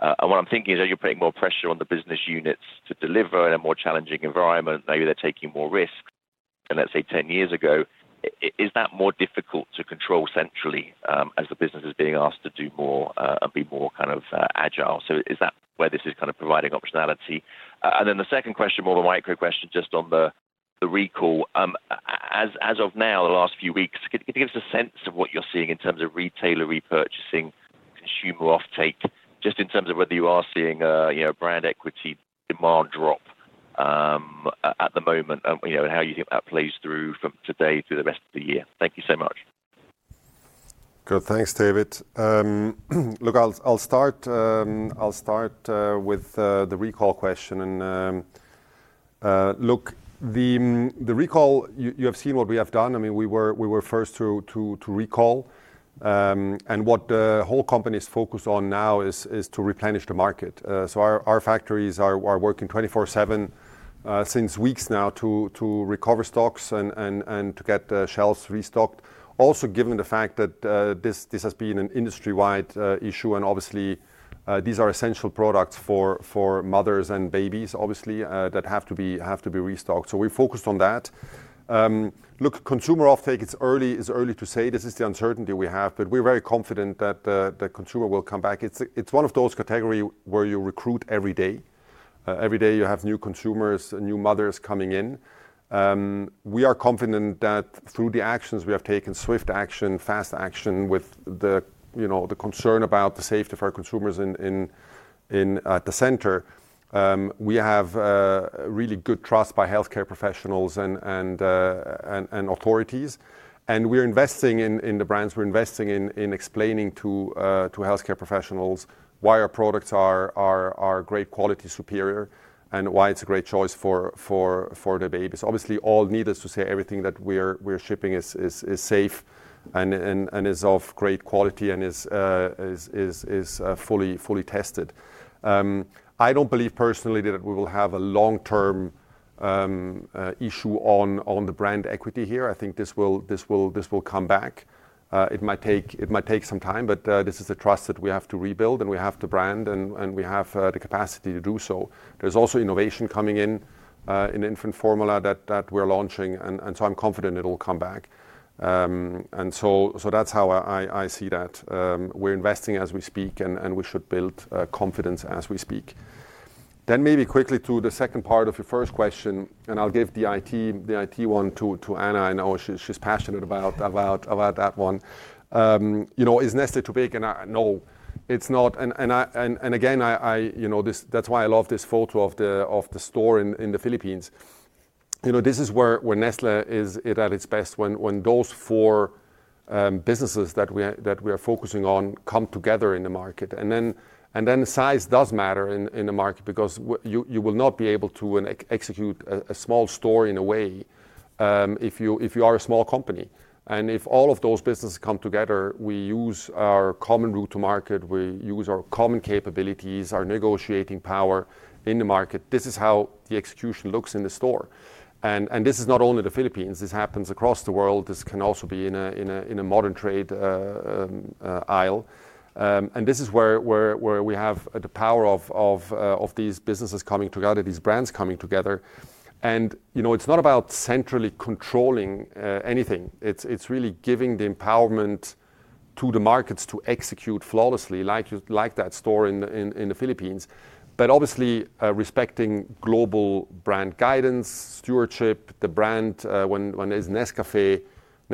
And what I'm thinking is, are you putting more pressure on the business units to deliver in a more challenging environment? Maybe they're taking more risks than, let's say, 10 years ago. Is that more difficult to control centrally, as the business is being asked to do more, and be more kind of agile? So is that where this is kind of providing optionality? And then the second question, more the micro question, just on the recall. As of now, the last few weeks, can you give us a sense of what you're seeing in terms of retailer repurchasing? Consumer offtake, just in terms of whether you are seeing, you know, brand equity demand drop, at the moment, and, you know, and how you think that plays through from today through the rest of the year? Thank you so much. Good. Thanks, David. Look, I'll start with the recall question. Look, the recall, you have seen what we have done. I mean, we were first to recall, and what the whole company's focused on now is to replenish the market. So our factories are working 24/7 since weeks now to recover stocks and to get the shelves restocked. Also, given the fact that this has been an industry-wide issue, and obviously these are essential products for mothers and babies, obviously, that have to be restocked. So we're focused on that. Look, consumer offtake, it's early to say. This is the uncertainty we have, but we're very confident that the consumer will come back. It's one of those category where you recruit every day. Every day, you have new consumers and new mothers coming in. We are confident that through the actions we have taken, swift action, fast action, with the, you know, the concern about the safety of our consumers in at the center, we have really good trust by healthcare professionals and authorities. And we're investing in the brands. We're investing in explaining to healthcare professionals why our products are great quality, superior, and why it's a great choice for the babies. Obviously, needless to say, everything that we're shipping is safe and is of great quality and is fully tested. I don't believe personally that we will have a long-term issue on the brand equity here. I think this will come back. It might take some time, but this is the trust that we have to rebuild, and we have the brand, and we have the capacity to do so. There's also innovation coming in in infant formula that we're launching, and so I'm confident it'll come back. And so that's how I see that. We're investing as we speak, and we should build confidence as we speak. Then maybe quickly to the second part of your first question, and I'll give the IT one to Anna. I know she's passionate about that one. You know, is Nestlé too big? And I no, it's not. And again, I you know, that's why I love this photo of the store in the Philippines. You know, this is where Nestlé is at its best when those four businesses that we are focusing on come together in the market. And then size does matter in the market because you will not be able to execute a small store in a way if you are a small company. If all of those businesses come together, we use our common route to market, we use our common capabilities, our negotiating power in the market. This is how the execution looks in the store. And this is not only the Philippines, this happens across the world. This can also be in a modern trade aisle. And this is where we have the power of these businesses coming together, these brands coming together. And, you know, it's not about centrally controlling anything. It's really giving the empowerment to the markets to execute flawlessly, like that store in the Philippines. But obviously, respecting global brand guidance, stewardship, the brand, when, when there's Nescafé,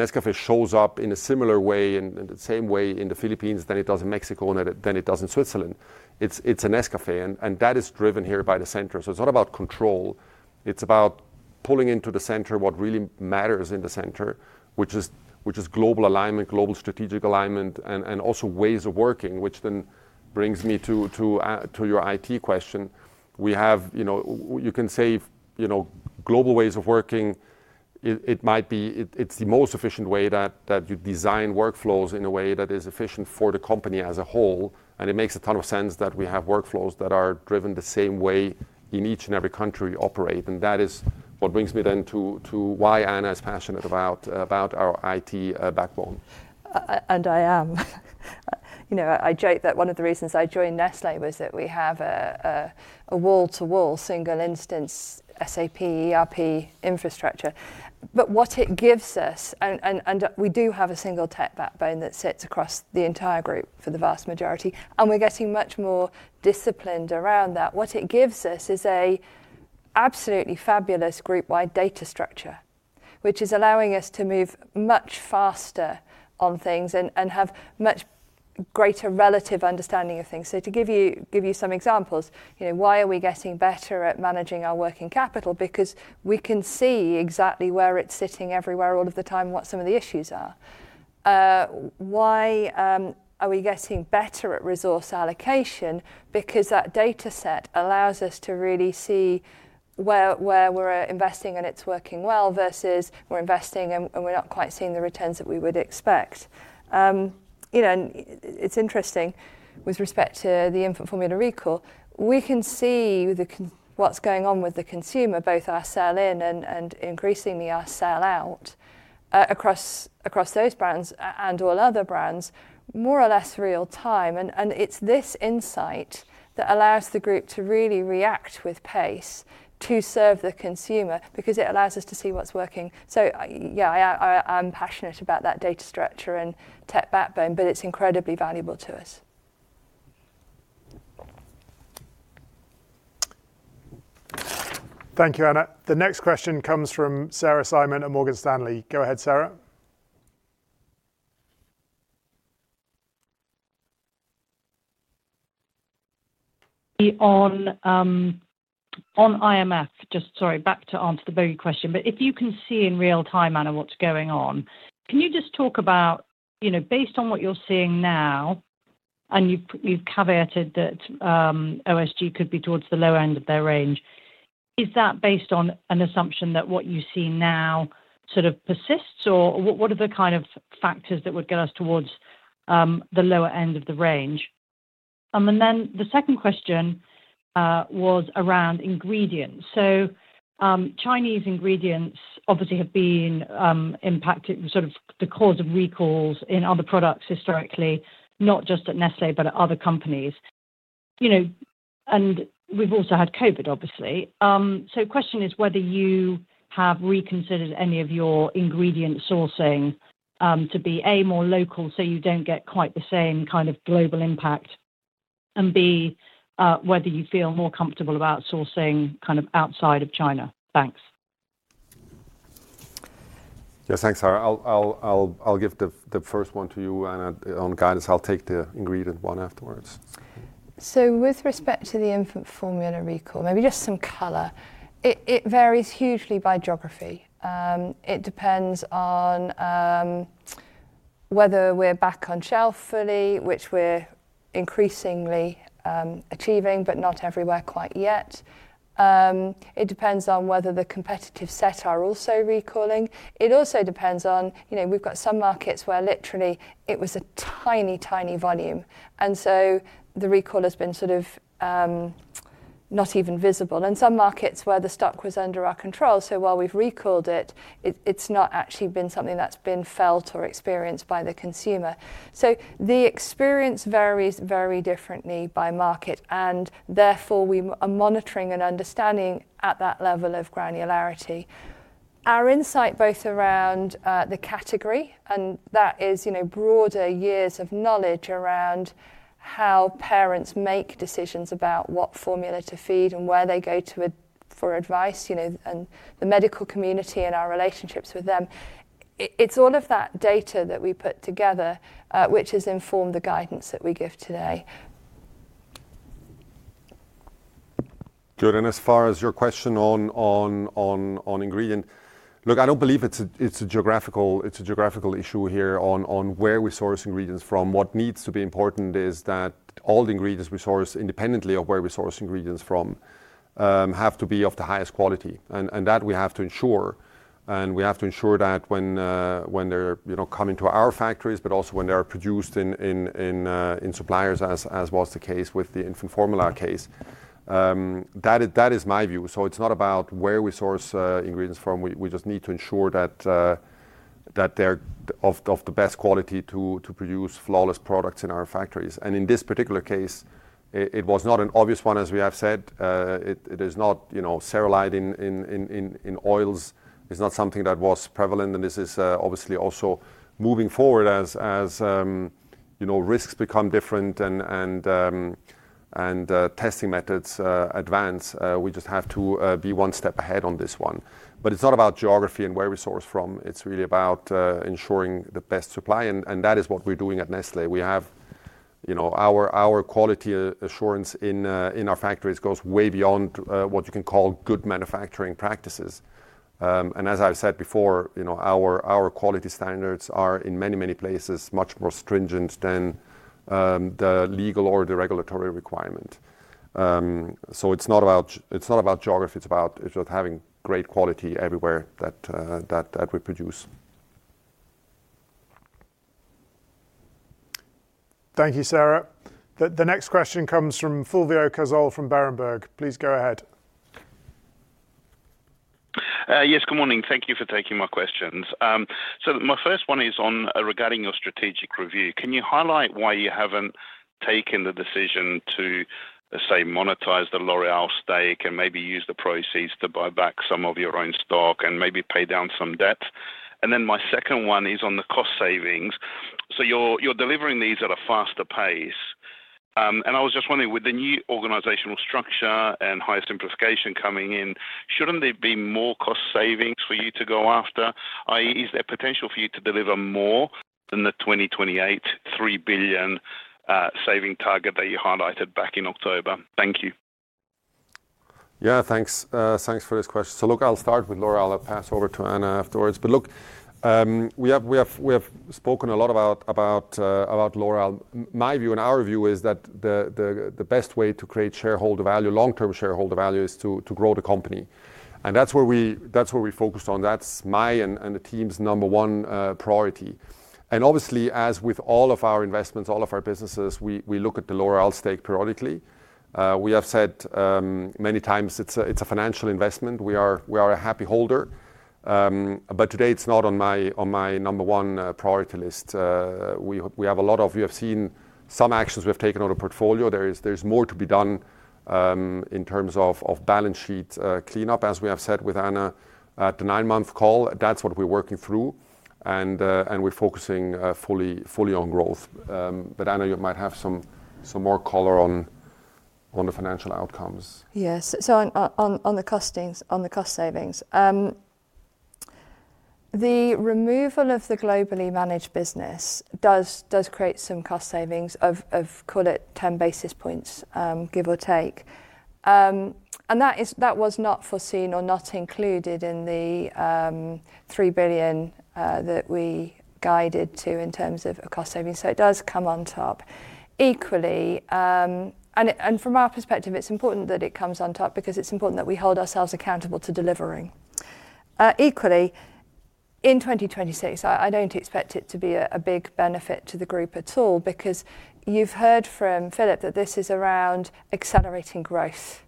Nescafé shows up in a similar way and in the same way in the Philippines than it does in Mexico and than it does in Switzerland. It's, it's a Nescafé, and, and that is driven here by the center. So it's not about control, it's about pulling into the center what really matters in the center, which is, which is global alignment, global strategic alignment, and, and also ways of working, which then brings me to, to, your IT question. We have, you know, you can say, you know, global ways of working it might be It's the most efficient way that you design workflows in a way that is efficient for the company as a whole, and it makes a ton of sense that we have workflows that are driven the same way in each and every country operate. And that is what brings me then to why Anna is passionate about our IT backbone. And I am. You know, I joke that one of the reasons I joined Nestlé was that we have a wall-to-wall single-instance SAP ERP infrastructure. But what it gives us, we do have a single tech backbone that sits across the entire group for the vast majority, and we're getting much more disciplined around that. What it gives us is a absolutely fabulous group-wide data structure, which is allowing us to move much faster on things and have much greater relative understanding of things. So to give you some examples, you know, why are we getting better at managing our working capital? Because we can see exactly where it's sitting everywhere, all of the time, and what some of the issues are. Why are we getting better at resource allocation? Because that data set allows us to really see where we're investing and it's working well versus we're investing and we're not quite seeing the returns that we would expect. You know, it's interesting with respect to the infant formula recall. We can see what's going on with the consumer, both our sell-in and increasingly our sell-out across those brands and all other brands, more or less real time. And it's this insight that allows the group to really react with pace to serve the consumer because it allows us to see what's working. So, yeah, I'm passionate about that data structure and tech backbone, but it's incredibly valuable to us. Thank you, Anna. The next question comes from Sarah Simon at Morgan Stanley. Go ahead, Sarah. On IMF, just sorry, back to answer the bogey question, but if you can see in real time, Anna, what's going on, can you just talk about, you know, based on what you're seeing now, and you've caveated that, OSG could be towards the lower end of their range, is that based on an assumption that what you see now sort of persists, or what, what are the kind of factors that would get us towards, the lower end of the range? And then the second question was around ingredients. So, Chinese ingredients obviously have been impacted, sort of the cause of recalls in other products historically, not just at Nestlé, but at other companies. You know, and we've also had COVID, obviously. So question is whether you have reconsidered any of your ingredient sourcing, to be, A, more local, so you don't get quite the same kind of global impact, and B, whether you feel more comfortable about sourcing kind of outside of China. Thanks. Yes, thanks, Sarah. I'll give the first one to you, Anna, on guidance. I'll take the ingredient one afterwards. So with respect to the infant formula recall, maybe just some color. It varies hugely by geography. It depends on whether we're back on shelf fully, which we're increasingly achieving, but not everywhere quite yet. It depends on whether the competitive set are also recalling. It also depends on, you know, we've got some markets where literally it was a tiny, tiny volume, and so the recall has been sort of not even visible. In some markets where the stock was under our control, so while we've recalled it, it's not actually been something that's been felt or experienced by the consumer. So the experience varies very differently by market, and therefore, we are monitoring and understanding at that level of granularity. Our insight, both around, the category, and that is, you know, broader years of knowledge around how parents make decisions about what formula to feed and where they go to, for advice, you know, and the medical community and our relationships with them. It, it's all of that data that we put together, which has informed the guidance that we give today. Good, and as far as your question on ingredient, look, I don't believe it's a geographical issue here on where we source ingredients from. What needs to be important is that all the ingredients we source, independently of where we source ingredients from, have to be of the highest quality, and that we have to ensure. And we have to ensure that when they're, you know, coming to our factories, but also when they are produced in suppliers, as was the case with the infant formula case. That is my view. So it's not about where we source ingredients from, we just need to ensure that they're of the best quality to produce flawless products in our factories. In this particular case, it was not an obvious one, as we have said. It is not, you know, cereulide in oils. It's not something that was prevalent, and this is obviously also moving forward as you know, risks become different and testing methods advance. We just have to be one step ahead on this one. But it's not about geography and where we source from, it's really about ensuring the best supply, and that is what we're doing at Nestlé. We have, you know, our quality assurance in our factories goes way beyond what you can call Good Manufacturing Practices. And as I've said before, you know, our quality standards are, in many, many places, much more stringent than the legal or the regulatory requirement. So it's not about geography, it's about having great quality everywhere that we produce. Thank you, Sarah. The next question comes from Fulvio Casale from Berenberg. Please go ahead. Yes, good morning. Thank you for taking my questions. So my first one is on regarding your strategic review. Can you highlight why you haven't taken the decision to, let's say, monetize the L'Oréal stake and maybe use the proceeds to buy back some of your own stock and maybe pay down some debt? And then my second one is on the cost savings. So you're delivering these at a faster pace. And I was just wondering, with the new organizational structure and higher simplification coming in, shouldn't there be more cost savings for you to go after? Is there potential for you to deliver more than the 2028 3 billion saving target that you highlighted back in October? Thank you. Yeah, thanks. Thanks for this question. So look, I'll start with L'Oréal. I'll pass over to Anna afterwards. But look, we have spoken a lot about L'Oréal. My view and our view is that the best way to create shareholder value, long-term shareholder value, is to grow the company. And that's where we, that's what we're focused on. That's my and the team's number one priority. And obviously, as with all of our investments, all of our businesses, we look at the L'Oréal stake periodically. We have said many times, it's a financial investment. We are a happy holder. But today it's not on my number one priority list. We have a lot of you have seen some actions we've taken on the portfolio. There is more to be done in terms of balance sheet cleanup, as we have said with Anna at the nine month call. That's what we're working through, and we're focusing fully on growth. But Anna, you might have some more color on the financial outcomes. Yes. So on the costings, on the cost savings, the removal of the Globally Managed Business does create some cost savings of call it 10 basis points, give or take. And that is, that was not foreseen or not included in the 3 billion that we guided to in terms of cost savings, so it does come on top. Equally, and from our perspective, it's important that it comes on top because it's important that we hold ourselves accountable to delivering. Equally, in 2026, I don't expect it to be a big benefit to the group at all, because you've heard from Philipp that this is around accelerating growth.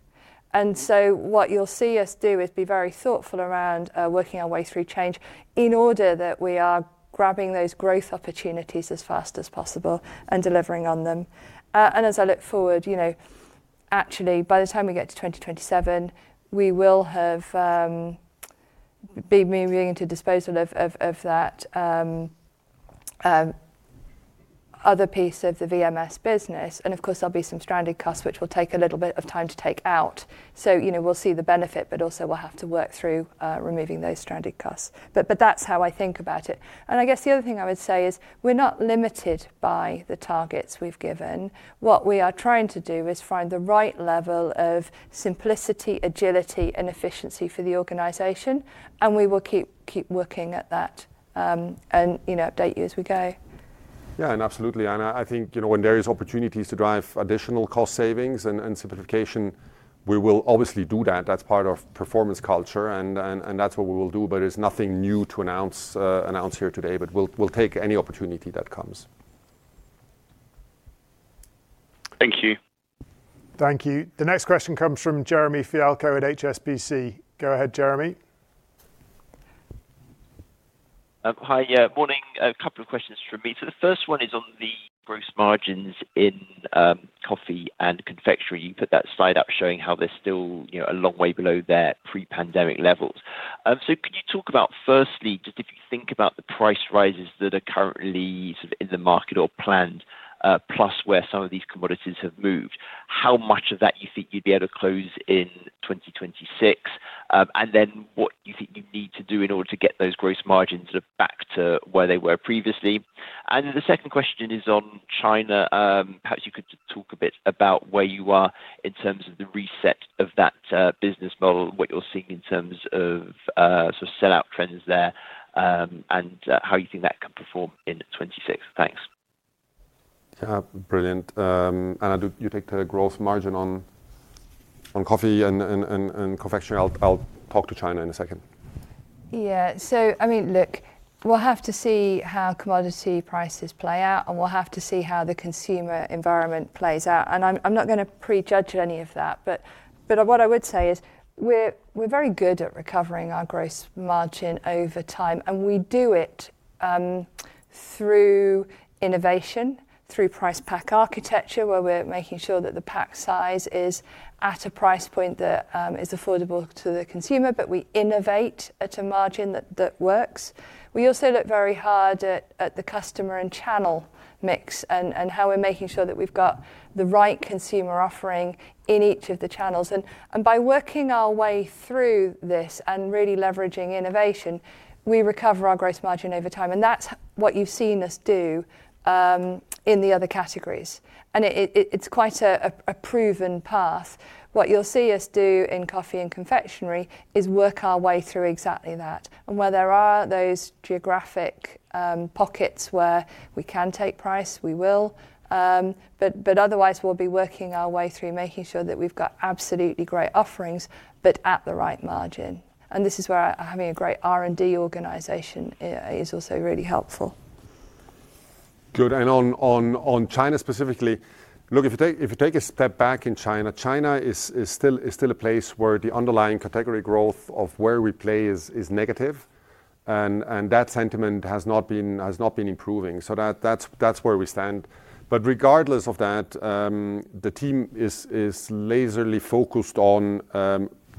And so what you'll see us do is be very thoughtful around working our way through change in order that we are grabbing those growth opportunities as fast as possible and delivering on them. And as I look forward, you know, actually, by the time we get to 2027, we will have be moving into disposal of that other piece of the VMS business. And of course, there'll be some stranded costs, which will take a little bit of time to take out. So, you know, we'll see the benefit, but also we'll have to work through removing those stranded costs. But that's how I think about it. And I guess the other thing I would say is, we're not limited by the targets we've given. What we are trying to do is find the right level of simplicity, agility, and efficiency for the organization, and we will keep working at that, you know, update you as we go. Yeah, and absolutely. I think, you know, when there is opportunities to drive additional cost savings and simplification, we will obviously do that. That's part of performance culture, and that's what we will do, but there's nothing new to announce here today, but we'll take any opportunity that comes. Thank you. Thank you. The next question comes from Jeremy Fialko at HSBC. Go ahead, Jeremy. Hi, yeah, morning. A couple of questions from me. So the first one is on the gross margins in coffee and confectionery. You put that slide up showing how they're still, you know, a long way below their pre-pandemic levels. So could you talk about, firstly, just if you think about the price rises that are currently sort of in the market or planned, plus where some of these commodities have moved, how much of that you think you'd be able to close in 2026? And then what you think you need to do in order to get those gross margins sort of back to where they were previously. And the second question is on China. Perhaps you could talk a bit about where you are in terms of the reset of that business model, what you're seeing in terms of sort of sell-out trends there, and how you think that can perform in 2026. Thanks. Yeah, brilliant. Anna, do you take the growth margin on coffee and confectionery? I'll talk to China in a second. Yeah. So I mean, look, we'll have to see how commodity prices play out, and we'll have to see how the consumer environment plays out. And I'm, I'm not gonna pre-judge any of that, but, but what I would say is we're, we're very good at recovering our gross margin over time, and we do it through innovation, through price pack architecture, where we're making sure that the pack size is at a price point that is affordable to the consumer, but we innovate at a margin that, that works. We also look very hard at, at the customer and channel mix and, and how we're making sure that we've got the right consumer offering in each of the channels. By working our way through this and really leveraging innovation, we recover our gross margin over time, and that's what you've seen us do in the other categories. And it's quite a proven path. What you'll see us do in coffee and confectionery is work our way through exactly that. And where there are those geographic pockets where we can take price, we will. Otherwise, we'll be working our way through, making sure that we've got absolutely great offerings, but at the right margin. And this is where having a great R&D organization is also really helpful. Good. And on China specifically, look, if you take a step back in China, China is still a place where the underlying category growth of where we play is negative, and that sentiment has not been improving. So that's where we stand. But regardless of that, the team is laserly focused on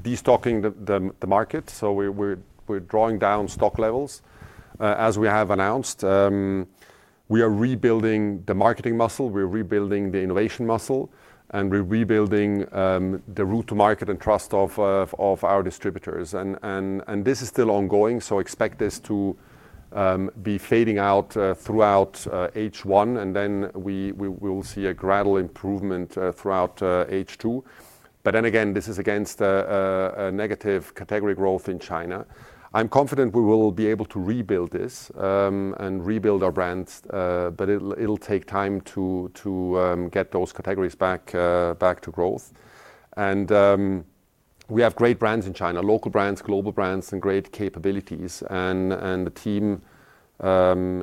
destocking the market. So we're drawing down stock levels, as we have announced. We are rebuilding the marketing muscle, we're rebuilding the innovation muscle, and we're rebuilding the route to market and trust of our distributors. And this is still ongoing, so expect this to be fading out throughout H1, and then we will see a gradual improvement throughout H2. But then again, this is against a negative category growth in China. I'm confident we will be able to rebuild this, and rebuild our brands, but it'll take time to get those categories back to growth. We have great brands in China, local brands, global brands, and great capabilities, and the team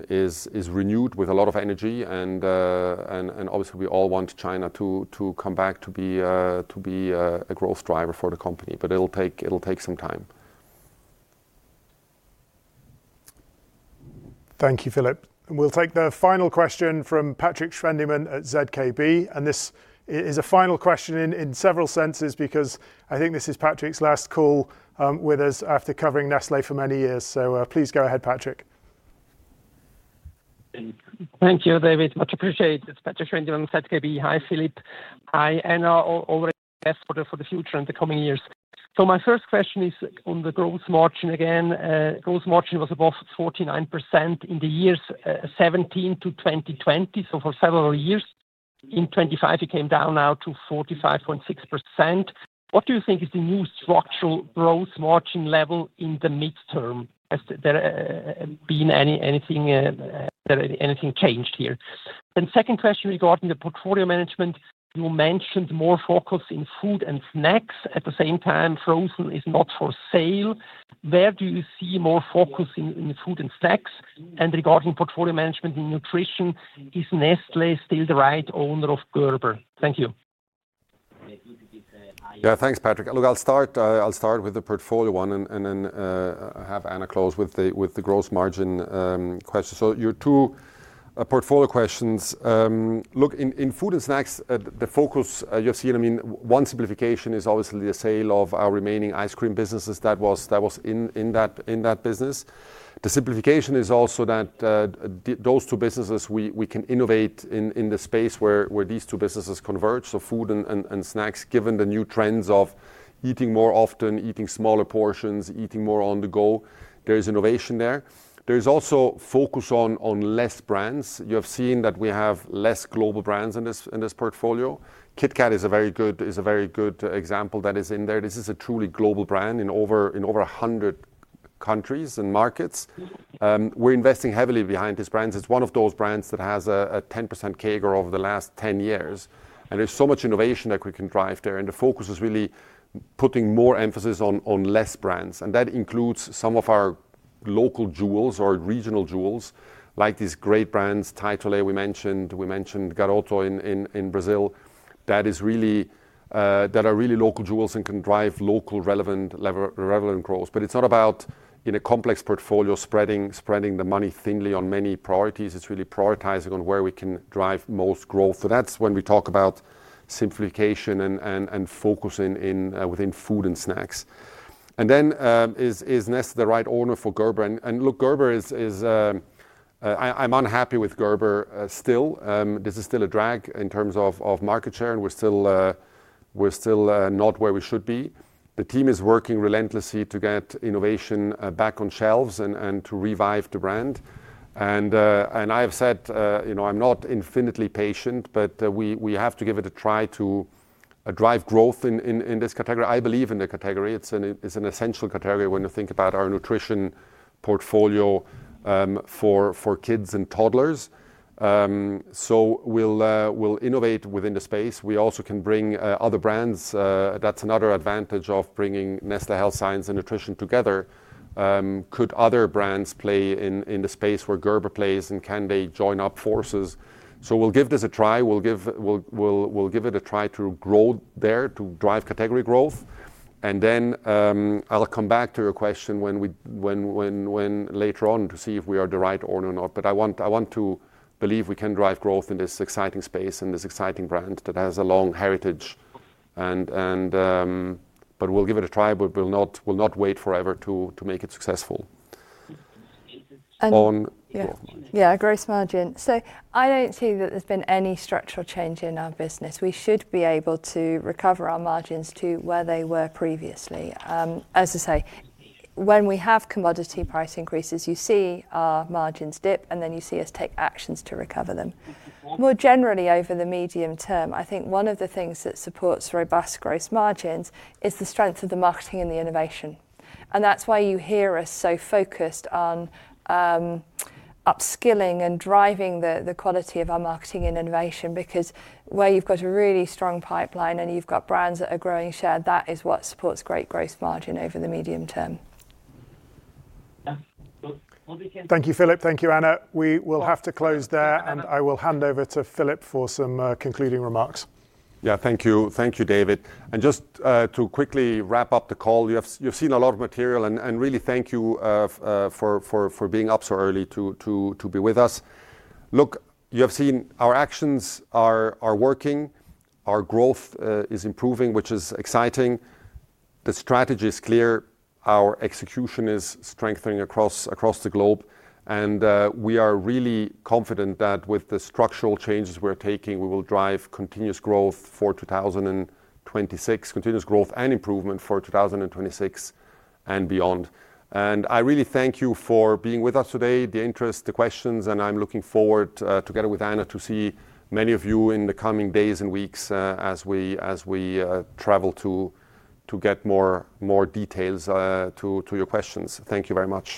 is renewed with a lot of energy, and obviously, we all want China to come back to be a growth driver for the company. But it'll take some time. Thank you, Philip. And we'll take the final question from Patrick Schwendimann at ZKB, and this is a final question in several senses because I think this is Patrick's last call with us after covering Nestlé for many years. So, please go ahead, Patrick. Thank you, David. Much appreciated. Patrick Schwendimann from ZKB. Hi, Philipp. Hi, Anna. All the best for the future and the coming years. So my first question is on the gross margin again. Gross margin was above 49% in the years 2017 to 2020, so for several years. In 2025, it came down now to 45.6%. What do you think is the new structural gross margin level in the midterm? Has there been anything that changed here? Then second question regarding the portfolio management: You mentioned more focus in food and snacks. At the same time, frozen is not for sale. Where do you see more focus in food and snacks? And regarding portfolio management in nutrition, is Nestlé still the right owner of Gerber? Thank you. Yeah, thanks, Patrick. Look, I'll start with the portfolio one and then have Anna close with the gross margin question. So your two portfolio questions. Look, in food and snacks, the focus you've seen, I mean, one simplification is obviously the sale of our remaining ice cream businesses that was in that business. The simplification is also that those two businesses, we can innovate in the space where these two businesses converge, so food and snacks, given the new trends of eating more often, eating smaller portions, eating more on the go, there is innovation there. There is also focus on less brands. You have seen that we have less global brands in this portfolio. Kat is a very good, is a very good example that is in there. This is a truly global brand in over, in over 100 countries and markets. We're investing heavily behind this brand. It's one of those brands that has a, a 10% CAGR over the last 10 years, and there's so much innovation that we can drive there, and the focus is really putting more emphasis on, on less brands, and that includes some of our local jewels or regional jewels, like these great brands, l'Atelier, we mentioned, we mentioned Garoto in, in, in Brazil, that is really, that are really local jewels and can drive local, relevant relevant growth. But it's not about, in a complex portfolio, spreading, spreading the money thinly on many priorities. It's really prioritising on where we can drive most growth. So that's when we talk about simplification and focusing within food and snacks. And then, is Nestlé the right owner for Gerber? And look, Gerber is. I'm unhappy with Gerber still. This is still a drag in terms of market share, and we're still not where we should be. The team is working relentlessly to get innovation back on shelves and to revive the brand. And I've said, you know, I'm not infinitely patient, but we have to give it a try to drive growth in this category. I believe in the category. It's an essential category when you think about our nutrition portfolio for kids and toddlers. So we'll innovate within the space. We also can bring other brands. That's another advantage of bringing Nestlé Health Science and Nutrition together. Could other brands play in the space where Gerber plays, and can they join up forces? So we'll give this a try. We'll give it a try to grow there, to drive category growth. And then I'll come back to your question when we later on, to see if we are the right owner or not. But I want to believe we can drive growth in this exciting space and this exciting brand that has a long heritage. But we'll give it a try, but we'll not wait forever to make it successful. And On Yeah. Yeah, gross margin. So I don't see that there's been any structural change in our business. We should be able to recover our margins to where they were previously. As I say, when we have commodity price increases, you see our margins dip, and then you see us take actions to recover them. More generally, over the medium term, I think one of the things that supports robust gross margins is the strength of the marketing and the innovation, and that's why you hear us so focused on upskilling and driving the quality of our marketing and innovation, because where you've got a really strong pipeline and you've got brands that are growing share, that is what supports great gross margin over the medium term. Yeah. Well, we can Thank you, Philipp. Thank you, Anna. We will have to close there, and I will hand over to Philipp for some concluding remarks. Yeah. Thank you. Thank you, David. And just to quickly wrap up the call, you have, you've seen a lot of material, and really thank you for being up so early to be with us. Look, you have seen our actions are working. Our growth is improving, which is exciting. The strategy is clear. Our execution is strengthening across the globe, and we are really confident that with the structural changes we're taking, we will drive continuous growth for 2026, continuous growth and improvement for 2026 and beyond. I really thank you for being with us today, the interest, the questions, and I'm looking forward together with Anna to see many of you in the coming days and weeks, as we travel to get more details to your questions. Thank you very much.